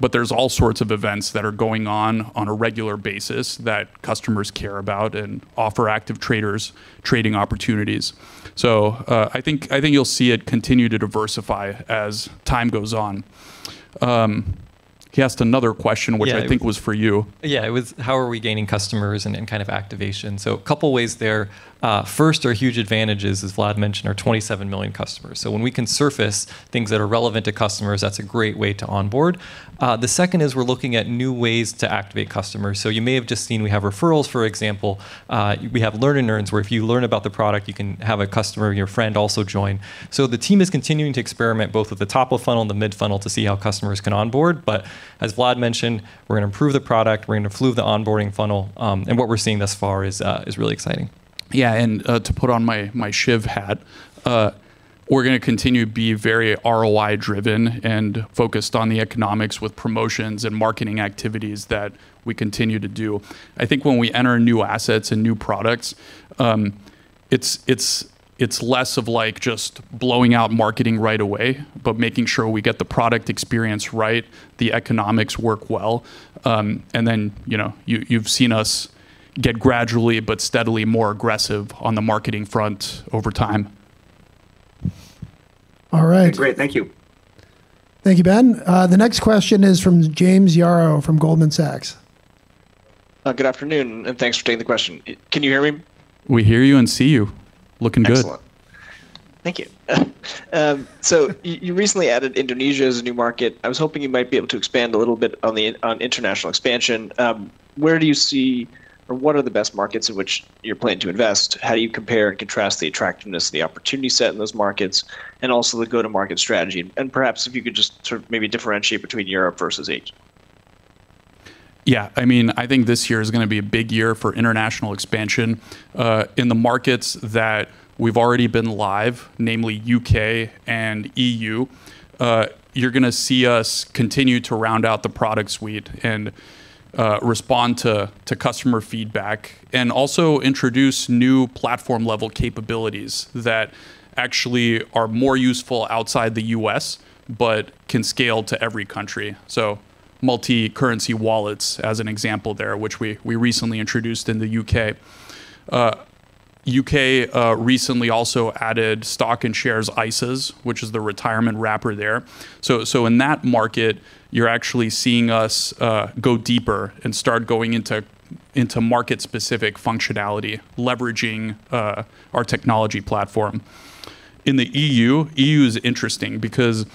But there's all sorts of events that are going on on a regular basis that customers care about and offer active traders trading opportunities. So I think you'll see it continue to diversify as time goes on. He asked another question, which I think was for you. Yeah. It was, how are we gaining customers and kind of activation? A couple of ways there. First, our huge advantages, as Vlad mentioned, are 27 million customers. When we can surface things that are relevant to customers, that's a great way to onboard. The second is we're looking at new ways to activate customers. You may have just seen we have referrals, for example. Learn & Earn, where if you learn about the product, you can have a customer, your friend, also join. The team is continuing to experiment both with the top of the funnel and the mid-funnel to see how customers can onboard. But as Vlad mentioned, we're going to improve the product. We're going to improve the onboarding funnel. And what we're seeing thus far is really exciting. Yeah. To put on my Shiv hat, we're going to continue to be very ROI-driven and focused on the economics with promotions and marketing activities that we continue to do. I think when we enter new assets and new products, it's less of just blowing out marketing right away, but making sure we get the product experience right, the economics work well. And then you've seen us get gradually, but steadily more aggressive on the marketing front over time. All right. Great. Thank you. Thank you, Ben. The next question is from James Yaro from Goldman Sachs. Good afternoon, and thanks for taking the question. Can you hear me? We hear you and see you. Looking good. Excellent. Thank you. So you recently added Indonesia as a new market. I was hoping you might be able to expand a little bit on international expansion. Where do you see or what are the best markets in which you're planning to invest? How do you compare and contrast the attractiveness of the opportunity set in those markets and also the go-to-market strategy? And perhaps if you could just sort of maybe differentiate between Europe versus Asia. Yeah. I mean, I think this year is going to be a big year for international expansion. In the markets that we've already been live, namely U.K. and E.U., you're going to see us continue to round out the product suite and respond to customer feedback and also introduce new platform-level capabilities that actually are more useful outside the U.S., but can scale to every country. So multi-currency wallets as an example there, which we recently introduced in the U.K. U.K. recently also added Stocks and Shares ISAs, which is the retirement wrapper there. So in that market, you're actually seeing us go deeper and start going into market-specific functionality, leveraging our technology platform. In the E.U., E.U. is interesting because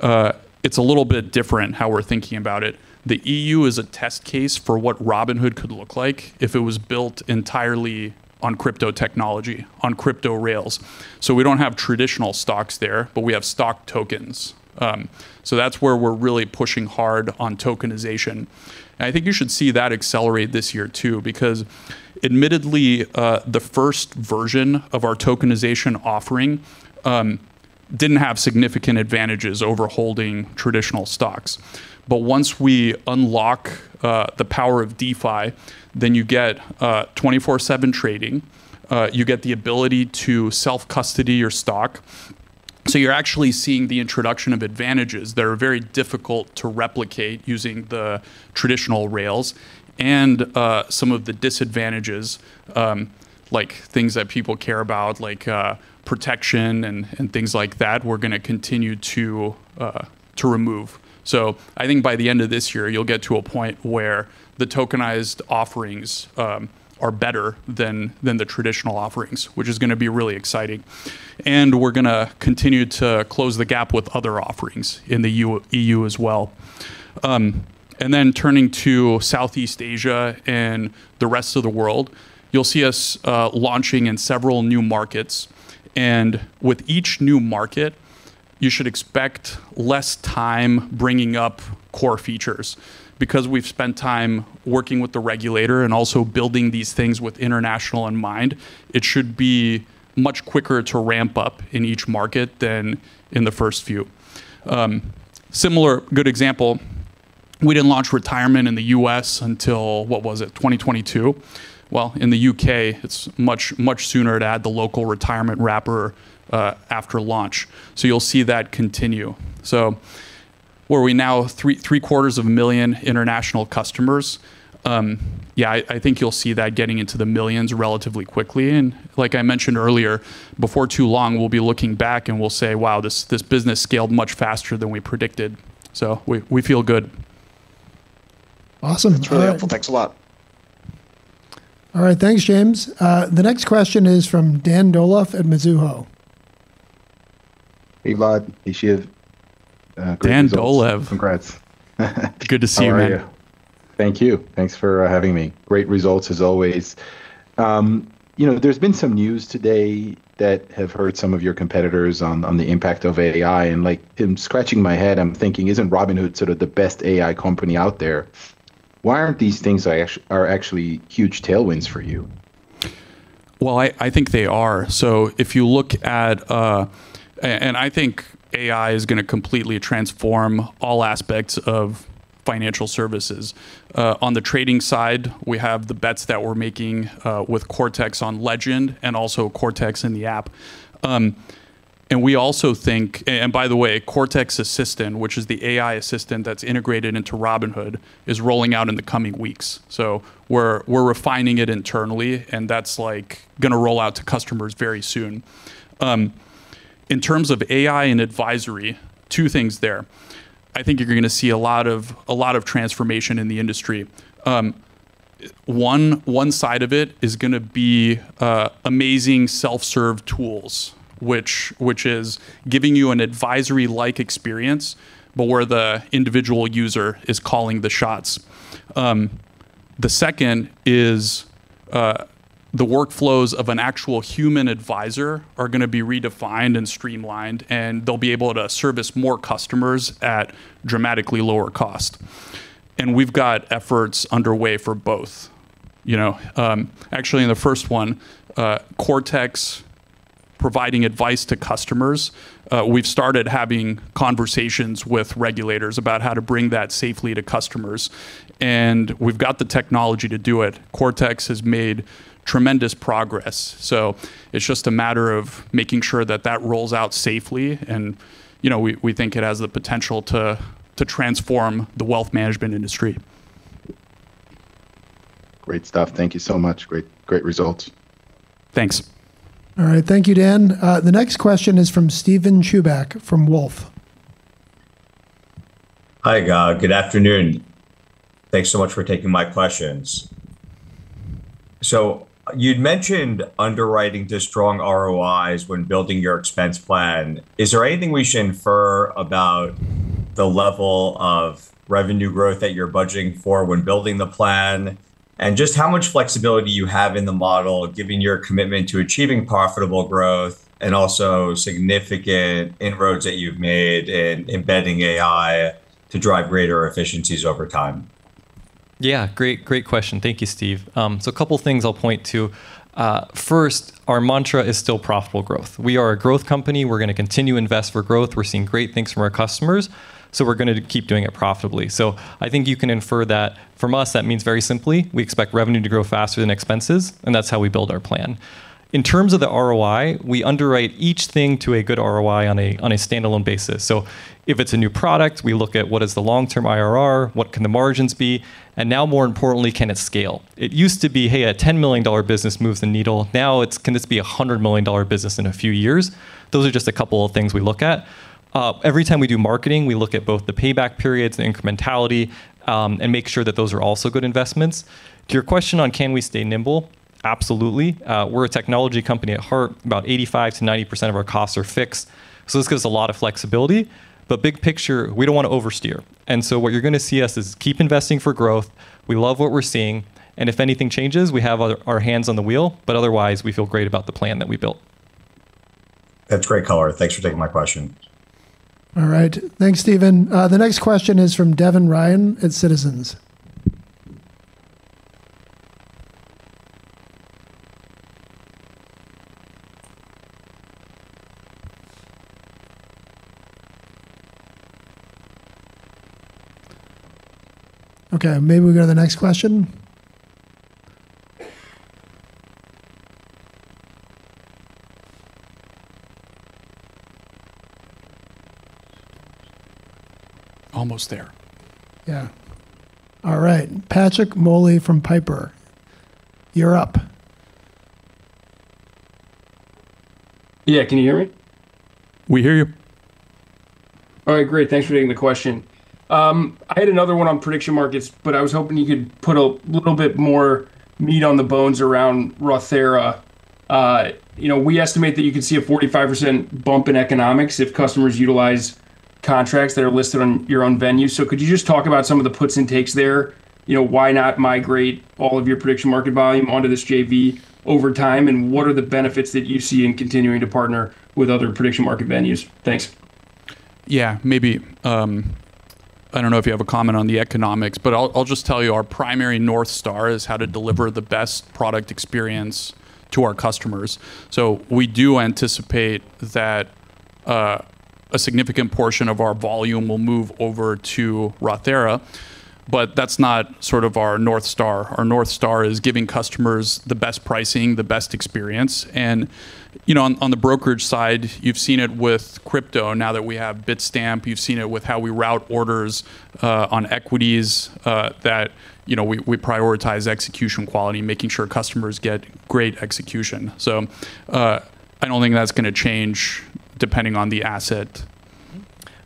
it's a little bit different how we're thinking about it. The EU is a test case for what Robinhood could look like if it was built entirely on crypto technology, on crypto rails. So we don't have traditional stocks there, but we have stock tokens. So that's where we're really pushing hard on tokenization. And I think you should see that accelerate this year too because admittedly, the first version of our tokenization offering didn't have significant advantages over holding traditional stocks. But once we unlock the power of DeFi, then you get 24/7 trading. You get the ability to self-custody your stock. So you're actually seeing the introduction of advantages that are very difficult to replicate using the traditional rails and some of the disadvantages, like things that people care about, like protection and things like that, we're going to continue to remove. So I think by the end of this year, you'll get to a point where the tokenized offerings are better than the traditional offerings, which is going to be really exciting. We're going to continue to close the gap with other offerings in the EU as well. Then turning to Southeast Asia and the rest of the world, you'll see us launching in several new markets. With each new market, you should expect less time bringing up core features because we've spent time working with the regulator and also building these things with international in mind. It should be much quicker to ramp up in each market than in the first few. Similar, good example, we didn't launch retirement in the U.S. until, what was it, 2022? Well, in the U.K., it's much, much sooner to add the local retirement wrapper after launch. So you'll see that continue. So where we now have 750,000 international customers, yeah, I think you'll see that getting into the millions relatively quickly. And like I mentioned earlier, before too long, we'll be looking back and we'll say, "Wow, this business scaled much faster than we predicted." So we feel good. Awesome. It's really helpful. Thanks a lot. All right. Thanks, James. The next question is from Dan Dolev at Mizuho. Hey, Vlad. Hey, Shiv. Dan Dolov. Congrats. Good to see you, man. Thank you. Thanks for having me. Great results, as always. There's been some news today that have hurt some of your competitors on the impact of AI. Scratching my head, I'm thinking, isn't Robinhood sort of the best AI company out there? Why aren't these things actually huge tailwinds for you? Well, I think they are. So if you look at and I think AI is going to completely transform all aspects of financial services. On the trading side, we have the bets that we're making with Cortex on Legend and also Cortex in the app. And we also think and by the way, Cortex Assistant, which is the AI assistant that's integrated into Robinhood, is rolling out in the coming weeks. So we're refining it internally, and that's going to roll out to customers very soon. In terms of AI and advisory, two things there. I think you're going to see a lot of transformation in the industry. One side of it is going to be amazing self-serve tools, which is giving you an advisory-like experience, but where the individual user is calling the shots. The second is the workflows of an actual human advisor are going to be redefined and streamlined, and they'll be able to service more customers at dramatically lower cost. And we've got efforts underway for both. Actually, in the first one, Cortex providing advice to customers, we've started having conversations with regulators about how to bring that safely to customers. And we've got the technology to do it. Cortex has made tremendous progress. So it's just a matter of making sure that that rolls out safely. And we think it has the potential to transform the wealth management industry. Great stuff. Thank you so much. Great results. Thanks. All right. Thank you, Dan. The next question is from Steven Chubak from Wolfe. Hi, Vlad. Good afternoon. Thanks so much for taking my questions. So you'd mentioned underwriting to strong ROIs when building your expense plan. Is there anything we should infer about the level of revenue growth that you're budgeting for when building the plan and just how much flexibility you have in the model, given your commitment to achieving profitable growth and also significant inroads that you've made in embedding AI to drive greater efficiencies over time? Yeah. Great question. Thank you, Steve. So a couple of things I'll point to. First, our mantra is still profitable growth. We are a growth company. We're going to continue to invest for growth. We're seeing great things from our customers. So we're going to keep doing it profitably. So I think you can infer that from us, that means very simply, we expect revenue to grow faster than expenses, and that's how we build our plan. In terms of the ROI, we underwrite each thing to a good ROI on a standalone basis. So if it's a new product, we look at what is the long-term IRR? What can the margins be? And now, more importantly, can it scale? It used to be, "Hey, a $10 million business moves the needle." Now, can this be a $100 million business in a few years? Those are just a couple of things we look at. Every time we do marketing, we look at both the payback periods, the incrementality, and make sure that those are also good investments. To your question on can we stay nimble? Absolutely. We're a technology company at heart. About 85%-90% of our costs are fixed. So this gives us a lot of flexibility. But big picture, we don't want to oversteer. And so what you're going to see us is keep investing for growth. We love what we're seeing. And if anything changes, we have our hands on the wheel. But otherwise, we feel great about the plan that we built. That's great, Operator. Thanks for taking my question. All right. Thanks, Steven. The next question is from Devin Ryan at Citizens. Okay. Maybe we go to the next question. Almost there. Yeah. All right. Patrick Moley from Piper, you're up. Yeah. Can you hear me? We hear you. All right. Great. Thanks for taking the question. I had another one on prediction markets, but I was hoping you could put a little bit more meat on the bones around Roth IRA. We estimate that you could see a 45% bump in economics if customers utilize contracts that are listed on your own venue. So could you just talk about some of the puts and takes there? Why not migrate all of your prediction market volume onto this JV over time? And what are the benefits that you see in continuing to partner with other prediction market venues? Thanks. Yeah. I don't know if you have a comment on the economics, but I'll just tell you our primary North Star is how to deliver the best product experience to our customers. So we do anticipate that a significant portion of our volume will move over to Roth IRA, but that's not sort of our North Star. Our North Star is giving customers the best pricing, the best experience. And on the brokerage side, you've seen it with crypto now that we have Bitstamp. You've seen it with how we route orders on equities that we prioritize execution quality, making sure customers get great execution. So I don't think that's going to change depending on the asset.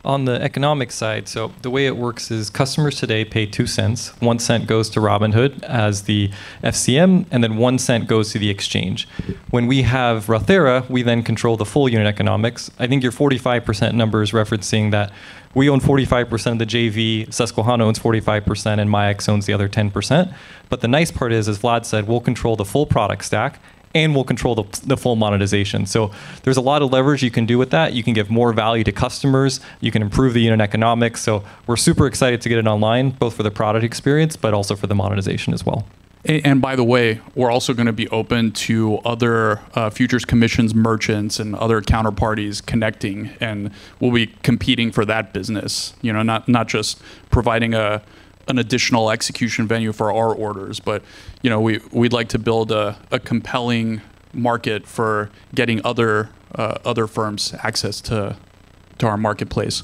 On the economic side, so the way it works is customers today pay $0.02. $0.01 goes to Robinhood as the FCM, and then $0.01 goes to the exchange. When we have Roth IRA, we then control the full unit economics. I think your 45% number is referencing that we own 45% of the JV. Susquehanna owns 45%, and MIAX owns the other 10%. But the nice part is, as Vlad said, we'll control the full product stack, and we'll control the full monetization. So there's a lot of leverage you can do with that. You can give more value to customers. You can improve the unit economics. So we're super excited to get it online, both for the product experience, but also for the monetization as well. And by the way, we're also going to be open to other futures commission merchants and other counterparties connecting. And we'll be competing for that business, not just providing an additional execution venue for our orders. But we'd like to build a compelling market for getting other firms access to our marketplace.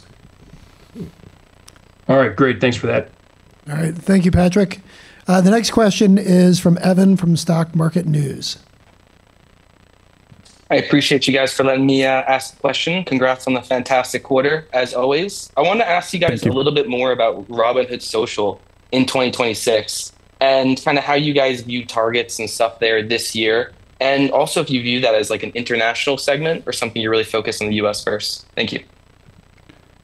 All right. Great. Thanks for that. All right. Thank you, Patrick. The next question is from Evan from Stock Market News. I appreciate you guys for letting me ask the question. Congrats on the fantastic quarter, as always. I want to ask you guys a little bit more about Robinhood Social in 2026 and kind of how you guys view targets and stuff there this year, and also if you view that as an international segment or something you're really focused on the U.S. first. Thank you.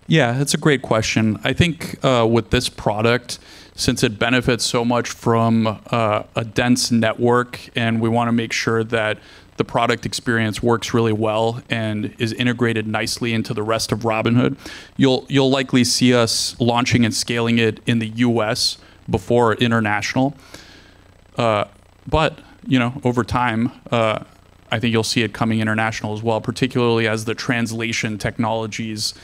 Yeah. That's a great question. I think with this product, since it benefits so much from a dense network and we want to make sure that the product experience works really well and is integrated nicely into the rest of Robinhood, you'll likely see us launching and scaling it in the U.S. before international. But over time, I think you'll see it coming international as well, particularly as the translation technologies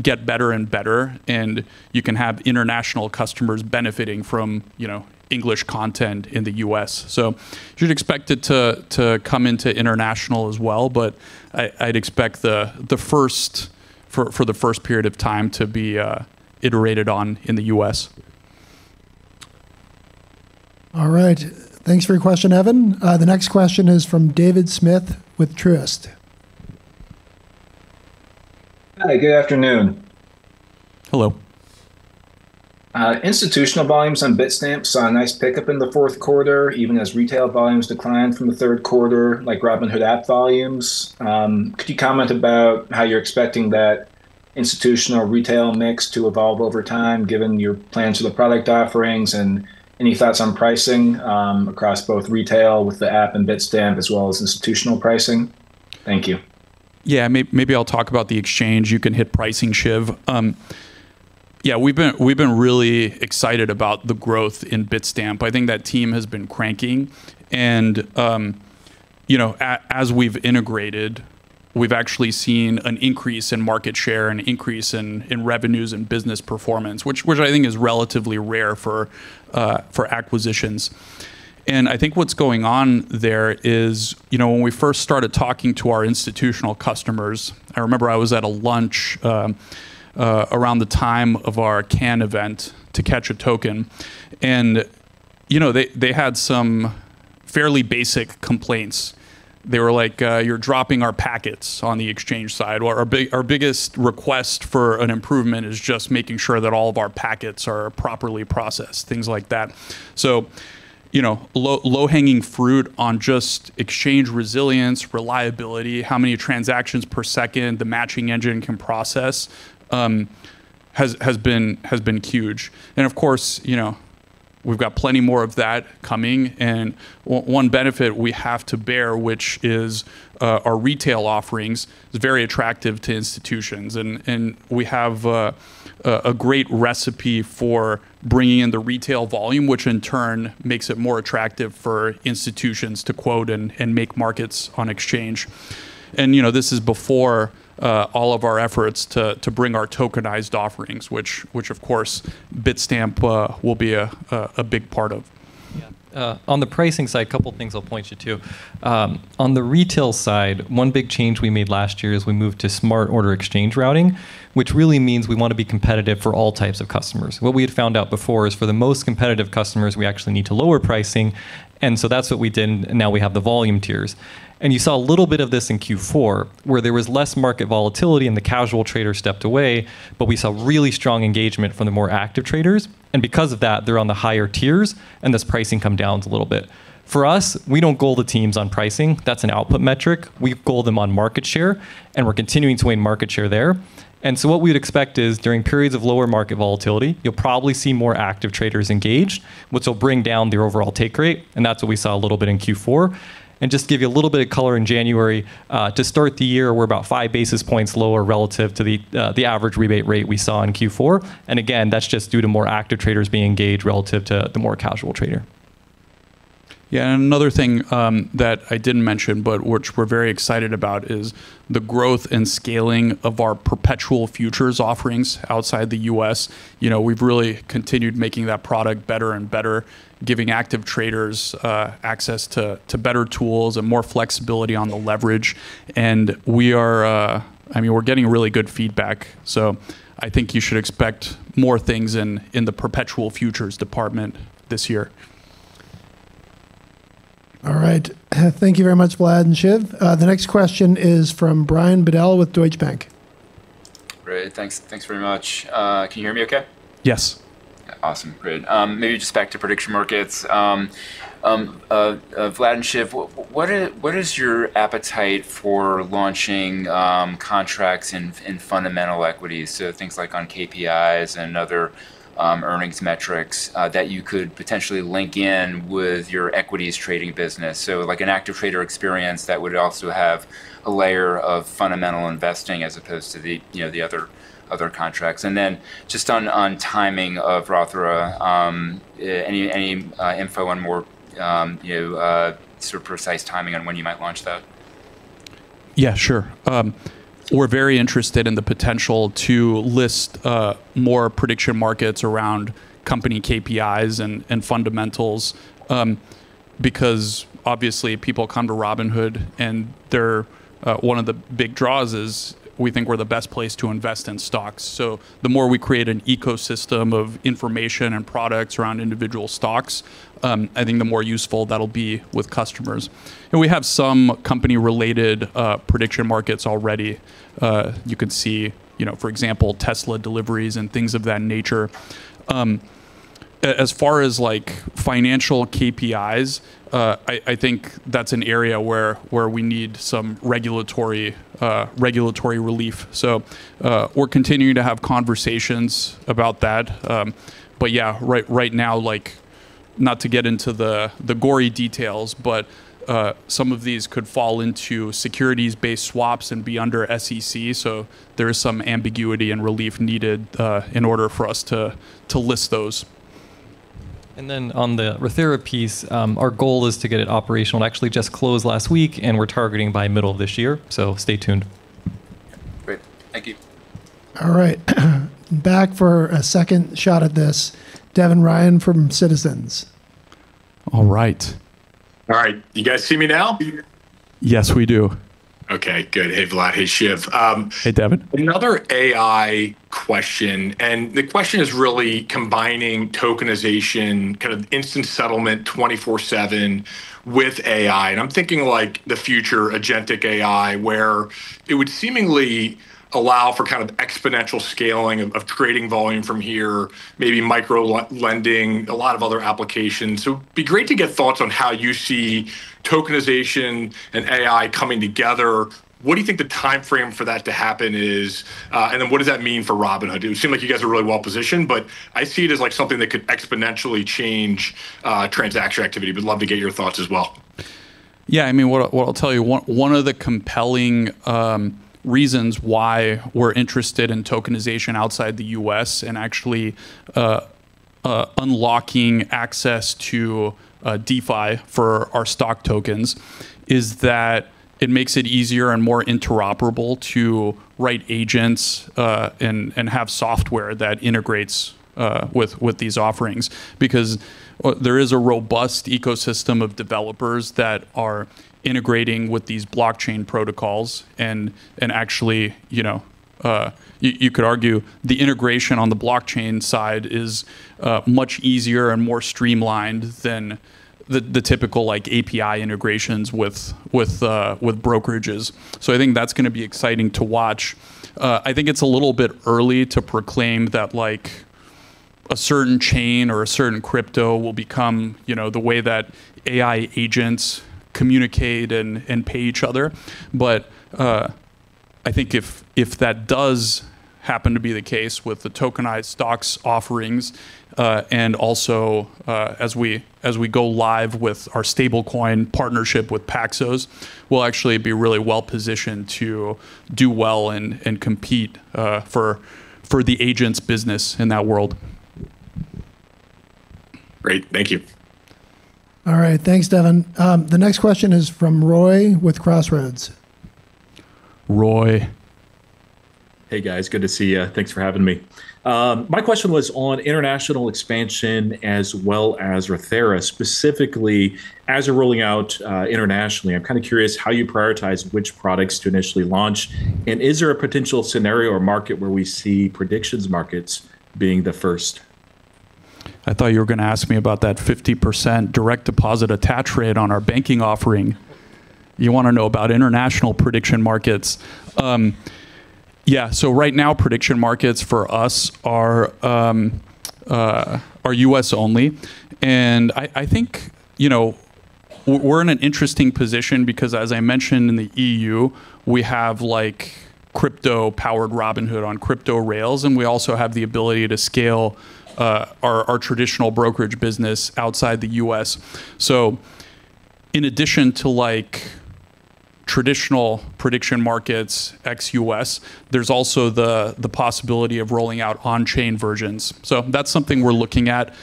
get better and better, and you can have international customers benefiting from English content in the U.S. So you should expect it to come into international as well. But I'd expect for the first period of time to be iterated on in the U.S. All right. Thanks for your question, Evan. The next question is from David Smith with Truist. Hi. Good afternoon. Hello. Institutional volumes on Bitstamp saw a nice pickup in the fourth quarter, even as retail volumes declined from the third quarter, like Robinhood app volumes. Could you comment about how you're expecting that institutional retail mix to evolve over time, given your plans for the product offerings and any thoughts on pricing across both retail with the app and Bitstamp, as well as institutional pricing? Thank you. Yeah. Maybe I'll talk about the exchange. You can hit pricing, Shiv. Yeah. We've been really excited about the growth in Bitstamp. I think that team has been cranking. And as we've integrated, we've actually seen an increase in market share, an increase in revenues and business performance, which I think is relatively rare for acquisitions. And I think what's going on there is when we first started talking to our institutional customers, I remember I was at a lunch around the time of our CAN event to catch a token. And they had some fairly basic complaints. They were like, "You're dropping our packets on the exchange side. Our biggest request for an improvement is just making sure that all of our packets are properly processed," things like that. So, low-hanging fruit on just exchange resilience, reliability, how many transactions per second the matching engine can process has been huge. And of course, we've got plenty more of that coming. And one benefit we have to bear, which is our retail offerings, is very attractive to institutions. And we have a great recipe for bringing in the retail volume, which in turn makes it more attractive for institutions to quote and make markets on exchange. And this is before all of our efforts to bring our tokenized offerings, which, of course, Bitstamp will be a big part of. Yeah. On the pricing side, a couple of things I'll point you to. On the retail side, one big change we made last year is we moved to smart order exchange routing, which really means we want to be competitive for all types of customers. What we had found out before is for the most competitive customers, we actually need to lower pricing. And so that's what we did. Now we have the volume tiers. And you saw a little bit of this in Q4, where there was less market volatility and the casual trader stepped away. But we saw really strong engagement from the more active traders. And because of that, they're on the higher tiers, and this pricing comes down a little bit. For us, we don't goal the teams on pricing. That's an output metric. We gauge them on market share, and we're continuing to gain market share there. So what we would expect is during periods of lower market volatility, you'll probably see more active traders engaged, which will bring down their overall take rate. And that's what we saw a little bit in Q4. And just to give you a little bit of color in January, to start the year, we're about 5 basis points lower relative to the average rebate rate we saw in Q4. And again, that's just due to more active traders being engaged relative to the more casual trader. Yeah. Another thing that I didn't mention, but which we're very excited about, is the growth and scaling of our perpetual futures offerings outside the U.S. We've really continued making that product better and better, giving active traders access to better tools and more flexibility on the leverage. And I mean, we're getting really good feedback. So I think you should expect more things in the perpetual futures department this year. All right. Thank you very much, Vlad and Shiv. The next question is from Brian Bedell with Deutsche Bank. Great. Thanks very much. Can you hear me okay? Yes. Awesome. Great. Maybe just back to prediction markets. Vlad and Shiv, what is your appetite for launching contracts in fundamental equities, so things like on KPIs and other earnings metrics that you could potentially link in with your equities trading business, so an active trader experience that would also have a layer of fundamental investing as opposed to the other contracts? And then just on timing of Roth IRA, any info on more precise timing on when you might launch that? Yeah. Sure. We're very interested in the potential to list more prediction markets around company KPIs and fundamentals because, obviously, people come to Robinhood, and one of the big draws is we think we're the best place to invest in stocks. So the more we create an ecosystem of information and products around individual stocks, I think the more useful that'll be with customers. And we have some company-related prediction markets already. You could see, for example, Tesla deliveries and things of that nature. As far as financial KPIs, I think that's an area where we need some regulatory relief. So we're continuing to have conversations about that. But yeah, right now, not to get into the gory details, but some of these could fall into securities-based swaps and be under SEC. So there is some ambiguity and relief needed in order for us to list those. Then on the Roth IRA piece, our goal is to get it operational. It actually just closed last week, and we're targeting by middle of this year. Stay tuned. Great. Thank you. All right. Back for a second shot at this, Devin Ryan from Citizens. All right. All right. Do you guys see me now? Yes, we do. Okay. Good. Hey, Vlad. Hey, Shiv. Hey, Devin. Another AI question. The question is really combining tokenization, kind of instant settlement 24/7 with AI. I'm thinking the future agentic AI, where it would seemingly allow for kind of exponential scaling of trading volume from here, maybe micro-lending, a lot of other applications. It'd be great to get thoughts on how you see tokenization and AI coming together. What do you think the time frame for that to happen is? And then what does that mean for Robinhood? It would seem like you guys are really well positioned, but I see it as something that could exponentially change transaction activity. I'd love to get your thoughts as well. Yeah. I mean, what I'll tell you, one of the compelling reasons why we're interested in tokenization outside the U.S. and actually unlocking access to DeFi for our stock tokens is that it makes it easier and more interoperable to write agents and have software that integrates with these offerings because there is a robust ecosystem of developers that are integrating with these blockchain protocols. And actually, you could argue the integration on the blockchain side is much easier and more streamlined than the typical API integrations with brokerages. So I think that's going to be exciting to watch. I think it's a little bit early to proclaim that a certain chain or a certain crypto will become the way that AI agents communicate and pay each other. But I think if that does happen to be the case with the tokenized stocks offerings and also as we go live with our stablecoin partnership with Paxos, we'll actually be really well positioned to do well and compete for the agents' business in that world. Great. Thank you. All right. Thanks, Devin. The next question is from Roy with Crossroads. Roy. Hey, guys. Good to see you. Thanks for having me. My question was on international expansion as well as Roth IRA, specifically as you're rolling out internationally. I'm kind of curious how you prioritize which products to initially launch. And is there a potential scenario or market where we see prediction markets being the first? I thought you were going to ask me about that 50% direct deposit attach rate on our banking offering. You want to know about international prediction markets? Yeah. So right now, prediction markets for us are U.S. only. And I think we're in an interesting position because, as I mentioned, in the EU, we have crypto-powered Robinhood on crypto rails. And we also have the ability to scale our traditional brokerage business outside the U.S. So in addition to traditional prediction markets ex-U.S., there's also the possibility of rolling out on-chain versions. So that's something we're looking at.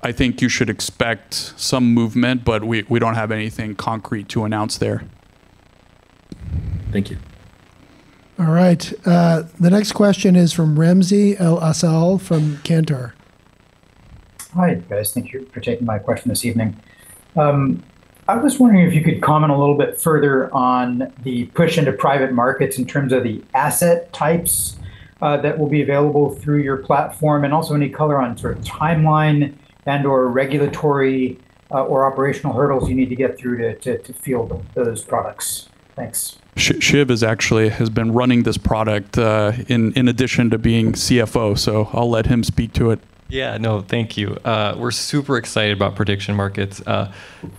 I think you should expect some movement, but we don't have anything concrete to announce there. Thank you. All right. The next question is from Ramsey El-Assal, Cantor. Hi, guys. Thank you for taking my question this evening. I was wondering if you could comment a little bit further on the push into private markets in terms of the asset types that will be available through your platform and also any color on sort of timeline and/or regulatory or operational hurdles you need to get through to field those products. Thanks. Shiv has been running this product in addition to being CFO. So I'll let him speak to it. Yeah. No, thank you. We're super excited about prediction markets.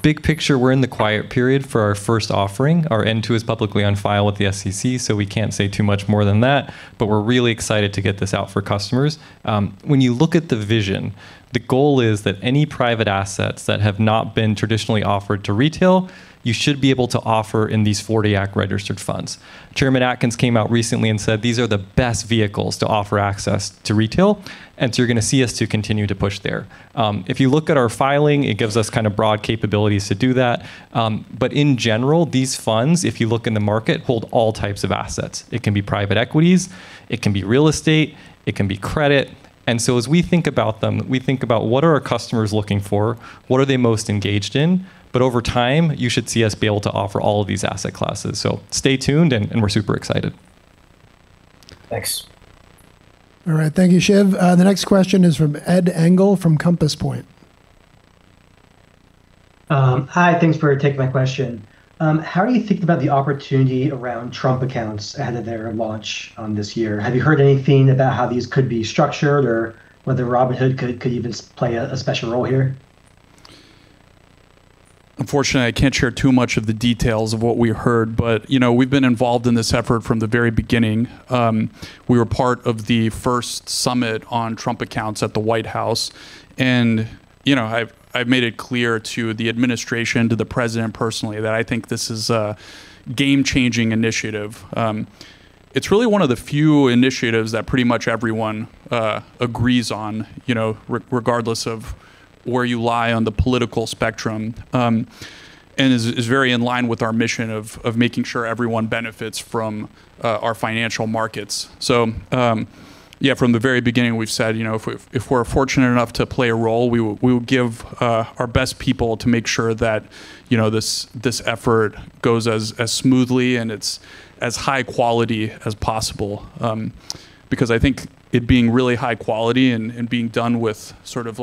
Big picture, we're in the quiet period for our first offering. Our N-2 is publicly on file with the SEC, so we can't say too much more than that. But we're really excited to get this out for customers. When you look at the vision, the goal is that any private assets that have not been traditionally offered to retail, you should be able to offer in these 1940 Act registered funds. Chairman Atkins came out recently and said, "These are the best vehicles to offer access to retail." And so you're going to see us continue to push there. If you look at our filing, it gives us kind of broad capabilities to do that. But in general, these funds, if you look in the market, hold all types of assets. It can be private equities. It can be real estate. It can be credit. And so as we think about them, we think about what are our customers looking for? What are they most engaged in? But over time, you should see us be able to offer all of these asset classes. So stay tuned, and we're super excited. Thanks. All right. Thank you, Shiv. The next question is from Ed Engle from Compass Point. Hi. Thanks for taking my question. How are you thinking about the opportunity around Trump accounts ahead of their launch this year? Have you heard anything about how these could be structured or whether Robinhood could even play a special role here? Unfortunately, I can't share too much of the details of what we heard. But we've been involved in this effort from the very beginning. We were part of the first summit on Trump accounts at the White House. And I've made it clear to the administration, to the president personally, that I think this is a game-changing initiative. It's really one of the few initiatives that pretty much everyone agrees on, regardless of where you lie on the political spectrum, and is very in line with our mission of making sure everyone benefits from our financial markets. So yeah, from the very beginning, we've said, if we're fortunate enough to play a role, we will give our best people to make sure that this effort goes as smoothly and it's as high quality as possible because I think it being really high quality and being done with sort of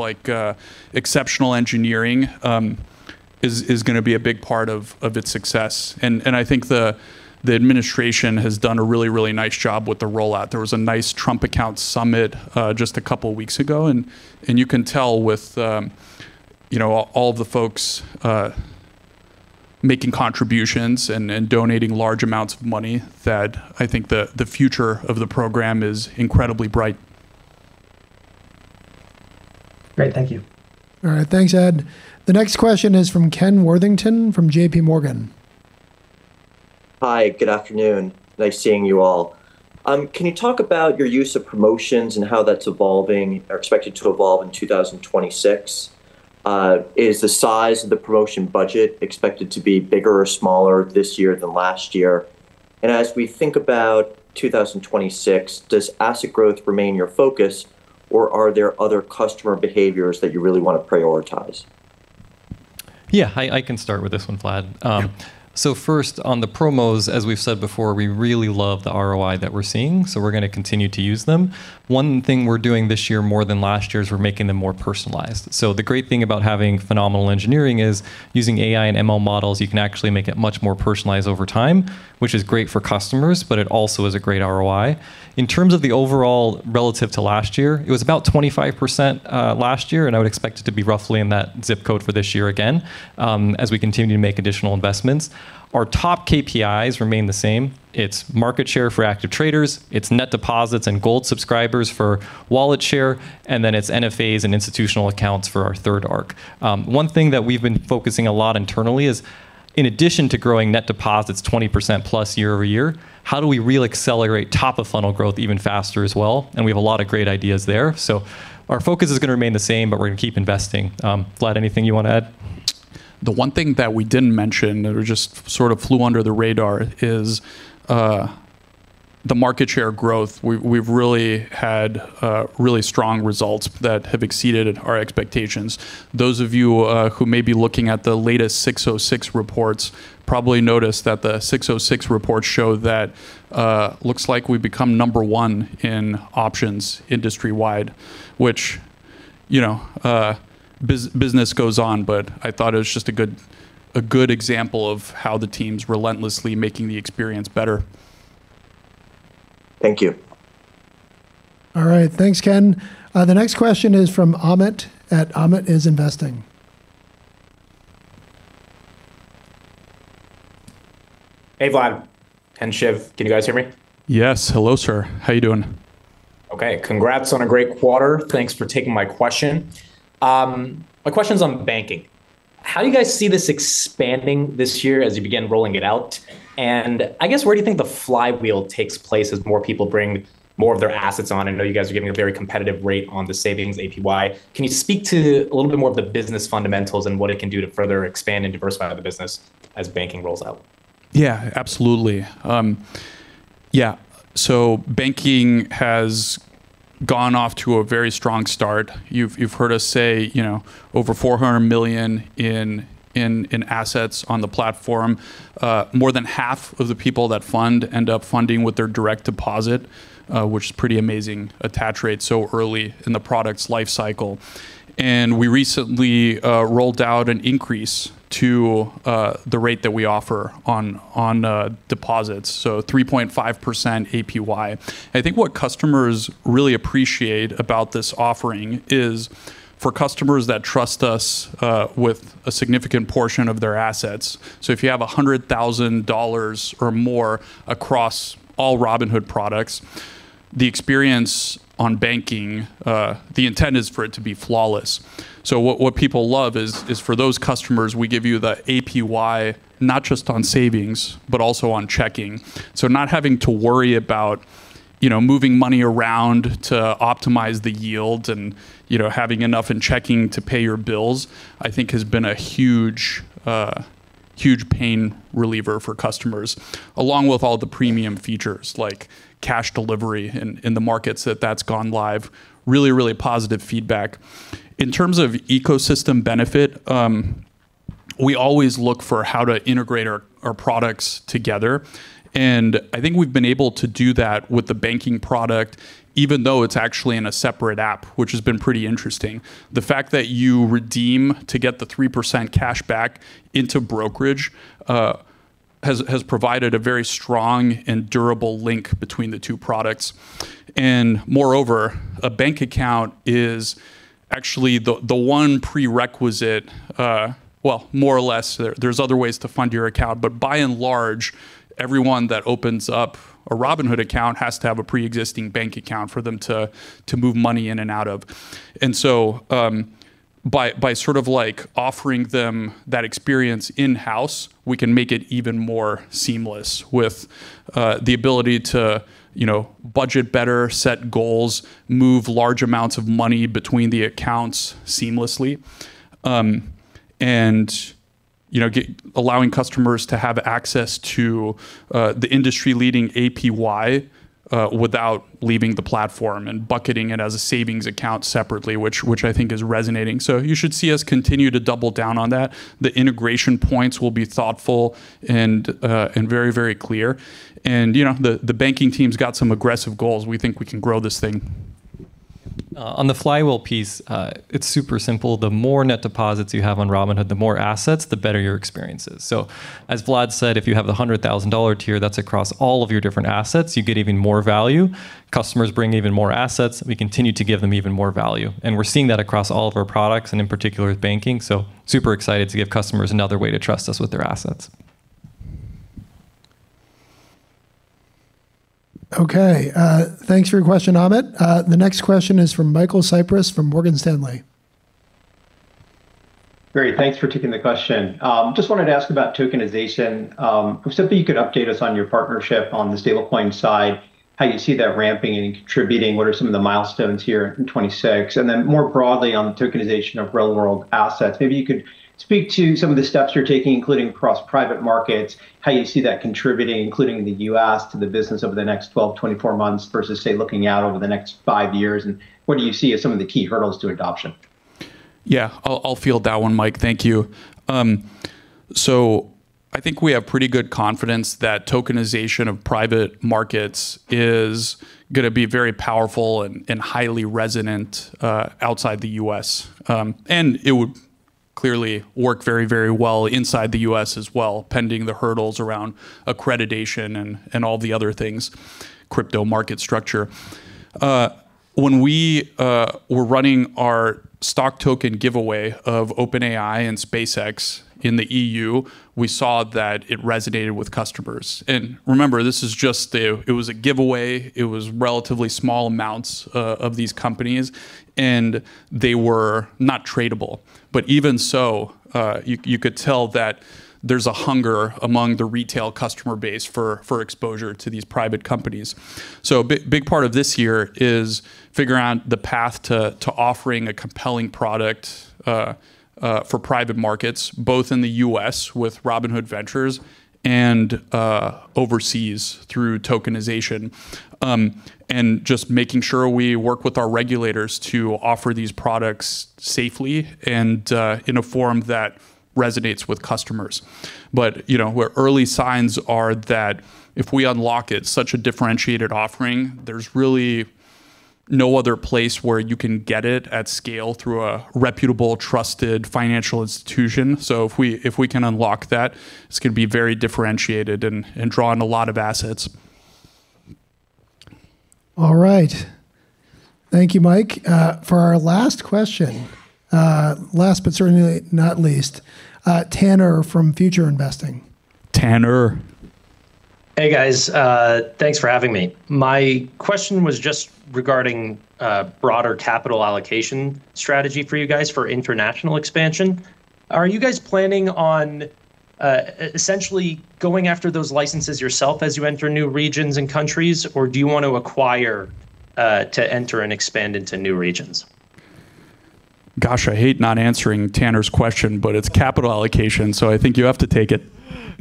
exceptional engineering is going to be a big part of its success. I think the administration has done a really, really nice job with the rollout. There was a nice Trump account summit just a couple of weeks ago. You can tell with all of the folks making contributions and donating large amounts of money that I think the future of the program is incredibly bright. Great. Thank you. All right. Thanks, Ed. The next question is from Ken Worthington from JPMorgan. Hi. Good afternoon. Nice seeing you all. Can you talk about your use of promotions and how that's evolving or expected to evolve in 2026? Is the size of the promotion budget expected to be bigger or smaller this year than last year? As we think about 2026, does asset growth remain your focus, or are there other customer behaviors that you really want to prioritize? Yeah. I can start with this one, Vlad. So first, on the promos, as we've said before, we really love the ROI that we're seeing. So we're going to continue to use them. One thing we're doing this year more than last year is we're making them more personalized. So the great thing about having phenomenal engineering is using AI and ML models, you can actually make it much more personalized over time, which is great for customers, but it also is a great ROI. In terms of the overall relative to last year, it was about 25% last year. And I would expect it to be roughly in that zip code for this year again as we continue to make additional investments. Our top KPIs remain the same. It's market share for active traders. It's net deposits and Gold subscribers for wallet share. Then it's NFAs and institutional accounts for our third arc. One thing that we've been focusing a lot internally is, in addition to growing net deposits 20%+ year-over-year, how do we really accelerate top-of-funnel growth even faster as well? And we have a lot of great ideas there. So our focus is going to remain the same, but we're going to keep investing. Vlad, anything you want to add? The one thing that we didn't mention that just sort of flew under the radar is the market share growth. We've really had really strong results that have exceeded our expectations. Those of you who may be looking at the latest 606 Reports probably noticed that the 606 Reports show that it looks like we've become number one in options industry-wide, which business goes on. I thought it was just a good example of how the team's relentlessly making the experience better. Thank you. All right. Thanks, Ken. The next question is from Ahmet at Ahmet is Investing. Hey, Vlad. Ken, Shiv, can you guys hear me? Yes. Hello, sir. How are you doing? Okay. Congrats on a great quarter. Thanks for taking my question. My question's on banking. How do you guys see this expanding this year as you begin rolling it out? And I guess where do you think the flywheel takes place as more people bring more of their assets on? I know you guys are giving a very competitive rate on the savings APY. Can you speak to a little bit more of the business fundamentals and what it can do to further expand and diversify the business as banking rolls out? Yeah, absolutely. Yeah. So banking has gone off to a very strong start. You've heard us say over $400 million in assets on the platform. More than half of the people that fund end up funding with their direct deposit, which is pretty amazing attach rate so early in the product's lifecycle. And we recently rolled out an increase to the rate that we offer on deposits, so 3.5% APY. I think what customers really appreciate about this offering is for customers that trust us with a significant portion of their assets. So if you have $100,000 or more across all Robinhood products, the experience on banking, the intent is for it to be flawless. So what people love is, for those customers, we give you the APY not just on savings, but also on checking. So, not having to worry about moving money around to optimize the yield and having enough in checking to pay your bills, I think, has been a huge pain reliever for customers, along with all the premium features like cash delivery in the markets that's gone live. Really, really positive feedback. In terms of ecosystem benefit, we always look for how to integrate our products together. I think we've been able to do that with the banking product, even though it's actually in a separate app, which has been pretty interesting. The fact that you redeem to get the 3% cashback into brokerage has provided a very strong and durable link between the two products. Moreover, a bank account is actually the one prerequisite, well, more or less. There's other ways to fund your account. But by and large, everyone that opens up a Robinhood account has to have a preexisting bank account for them to move money in and out of. And so by sort of offering them that experience in-house, we can make it even more seamless with the ability to budget better, set goals, move large amounts of money between the accounts seamlessly, and allowing customers to have access to the industry-leading APY without leaving the platform and bucketing it as a savings account separately, which I think is resonating. So you should see us continue to double down on that. The integration points will be thoughtful and very, very clear. And the banking team's got some aggressive goals. We think we can grow this thing. On the flywheel piece, it's super simple. The more net deposits you have on Robinhood, the more assets, the better your experience is. So as Vlad said, if you have the $100,000 tier, that's across all of your different assets. You get even more value. Customers bring even more assets. We continue to give them even more value. And we're seeing that across all of our products and in particular with banking. So super excited to give customers another way to trust us with their assets. Okay. Thanks for your question, Ahmet. The next question is from Michael Cyprys from Morgan Stanley. Great. Thanks for taking the question. Just wanted to ask about tokenization. I've said that you could update us on your partnership on the stablecoin side, how you see that ramping and contributing. What are some of the milestones here in 2026? And then more broadly on the tokenization of real-world assets, maybe you could speak to some of the steps you're taking, including across private markets, how you see that contributing, including the U.S., to the business over the next 12, 24 months versus, say, looking out over the next five years. And what do you see as some of the key hurdles to adoption? Yeah. I'll field that one, Mike. Thank you. So I think we have pretty good confidence that tokenization of private markets is going to be very powerful and highly resonant outside the U.S. And it would clearly work very, very well inside the U.S. as well, pending the hurdles around accreditation and all the other things. Crypto market structure. When we were running our stock token giveaway of OpenAI and SpaceX in the EU, we saw that it resonated with customers. And remember, this is just it was a giveaway. It was relatively small amounts of these companies, and they were not tradable. But even so, you could tell that there's a hunger among the retail customer base for exposure to these private companies. So a big part of this year is figuring out the path to offering a compelling product for private markets, both in the U.S. with Robinhood Ventures and overseas through tokenization, and just making sure we work with our regulators to offer these products safely and in a form that resonates with customers. But where early signs are that if we unlock it, such a differentiated offering, there's really no other place where you can get it at scale through a reputable, trusted financial institution. So if we can unlock that, it's going to be very differentiated and draw in a lot of assets. All right. Thank you, Mike. For our last question, last but certainly not least, Tannor from Future Investing. Tanner. Hey, guys. Thanks for having me. My question was just regarding broader capital allocation strategy for you guys for international expansion. Are you guys planning on essentially going after those licenses yourself as you enter new regions and countries, or do you want to acquire to enter and expand into new regions? Gosh, I hate not answering Tanner's question, but it's capital allocation. So I think you have to take it.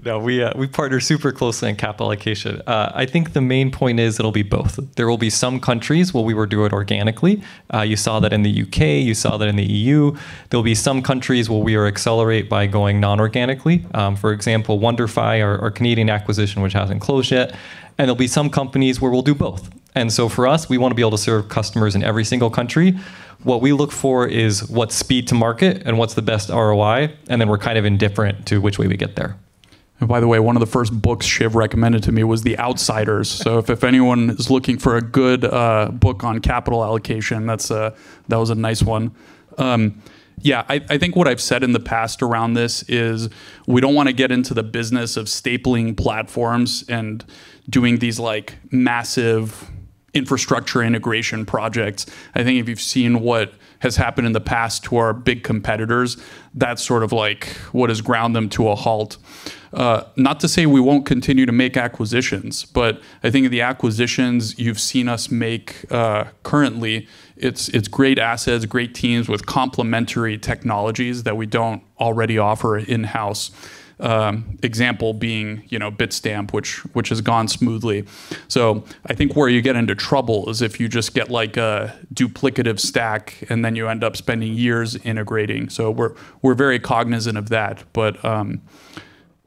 No, we partner super closely in capital allocation. I think the main point is it'll be both. There will be some countries where we will do it organically. You saw that in the U.K.. You saw that in the EU. There'll be some countries where we will accelerate by going non-organically. For example, WonderFi, our Canadian acquisition, which hasn't closed yet. And there'll be some companies where we'll do both. And so for us, we want to be able to serve customers in every single country. What we look for is what's speed to market and what's the best ROI. And then we're kind of indifferent to which way we get there. By the way, one of the first books Shiv recommended to me was The Outsiders. If anyone is looking for a good book on capital allocation, that was a nice one. Yeah. I think what I've said in the past around this is we don't want to get into the business of stapling platforms and doing these massive infrastructure integration projects. I think if you've seen what has happened in the past to our big competitors, that's sort of what has ground them to a halt. Not to say we won't continue to make acquisitions, but I think the acquisitions you've seen us make currently, it's great assets, great teams with complementary technologies that we don't already offer in-house, example being Bitstamp, which has gone smoothly. I think where you get into trouble is if you just get a duplicative stack, and then you end up spending years integrating. We're very cognizant of that. But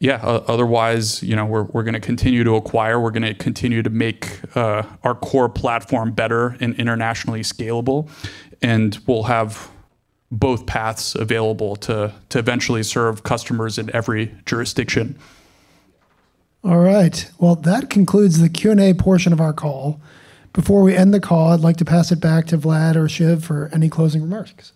yeah, otherwise, we're going to continue to acquire. We're going to continue to make our core platform better and internationally scalable. We'll have both paths available to eventually serve customers in every jurisdiction. All right. Well, that concludes the Q&A portion of our call. Before we end the call, I'd like to pass it back to Vlad or Shiv for any closing remarks.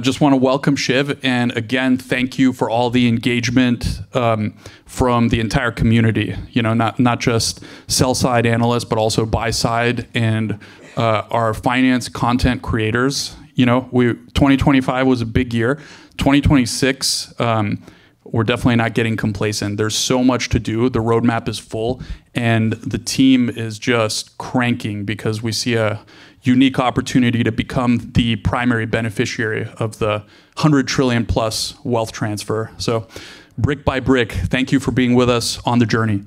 Just want to welcome Shiv. And again, thank you for all the engagement from the entire community, not just sell-side analysts, but also buy-side and our finance content creators. 2025 was a big year. 2026, we're definitely not getting complacent. There's so much to do. The roadmap is full. And the team is just cranking because we see a unique opportunity to become the primary beneficiary of the $100+ trillion wealth transfer. So brick by brick, thank you for being with us on the journey.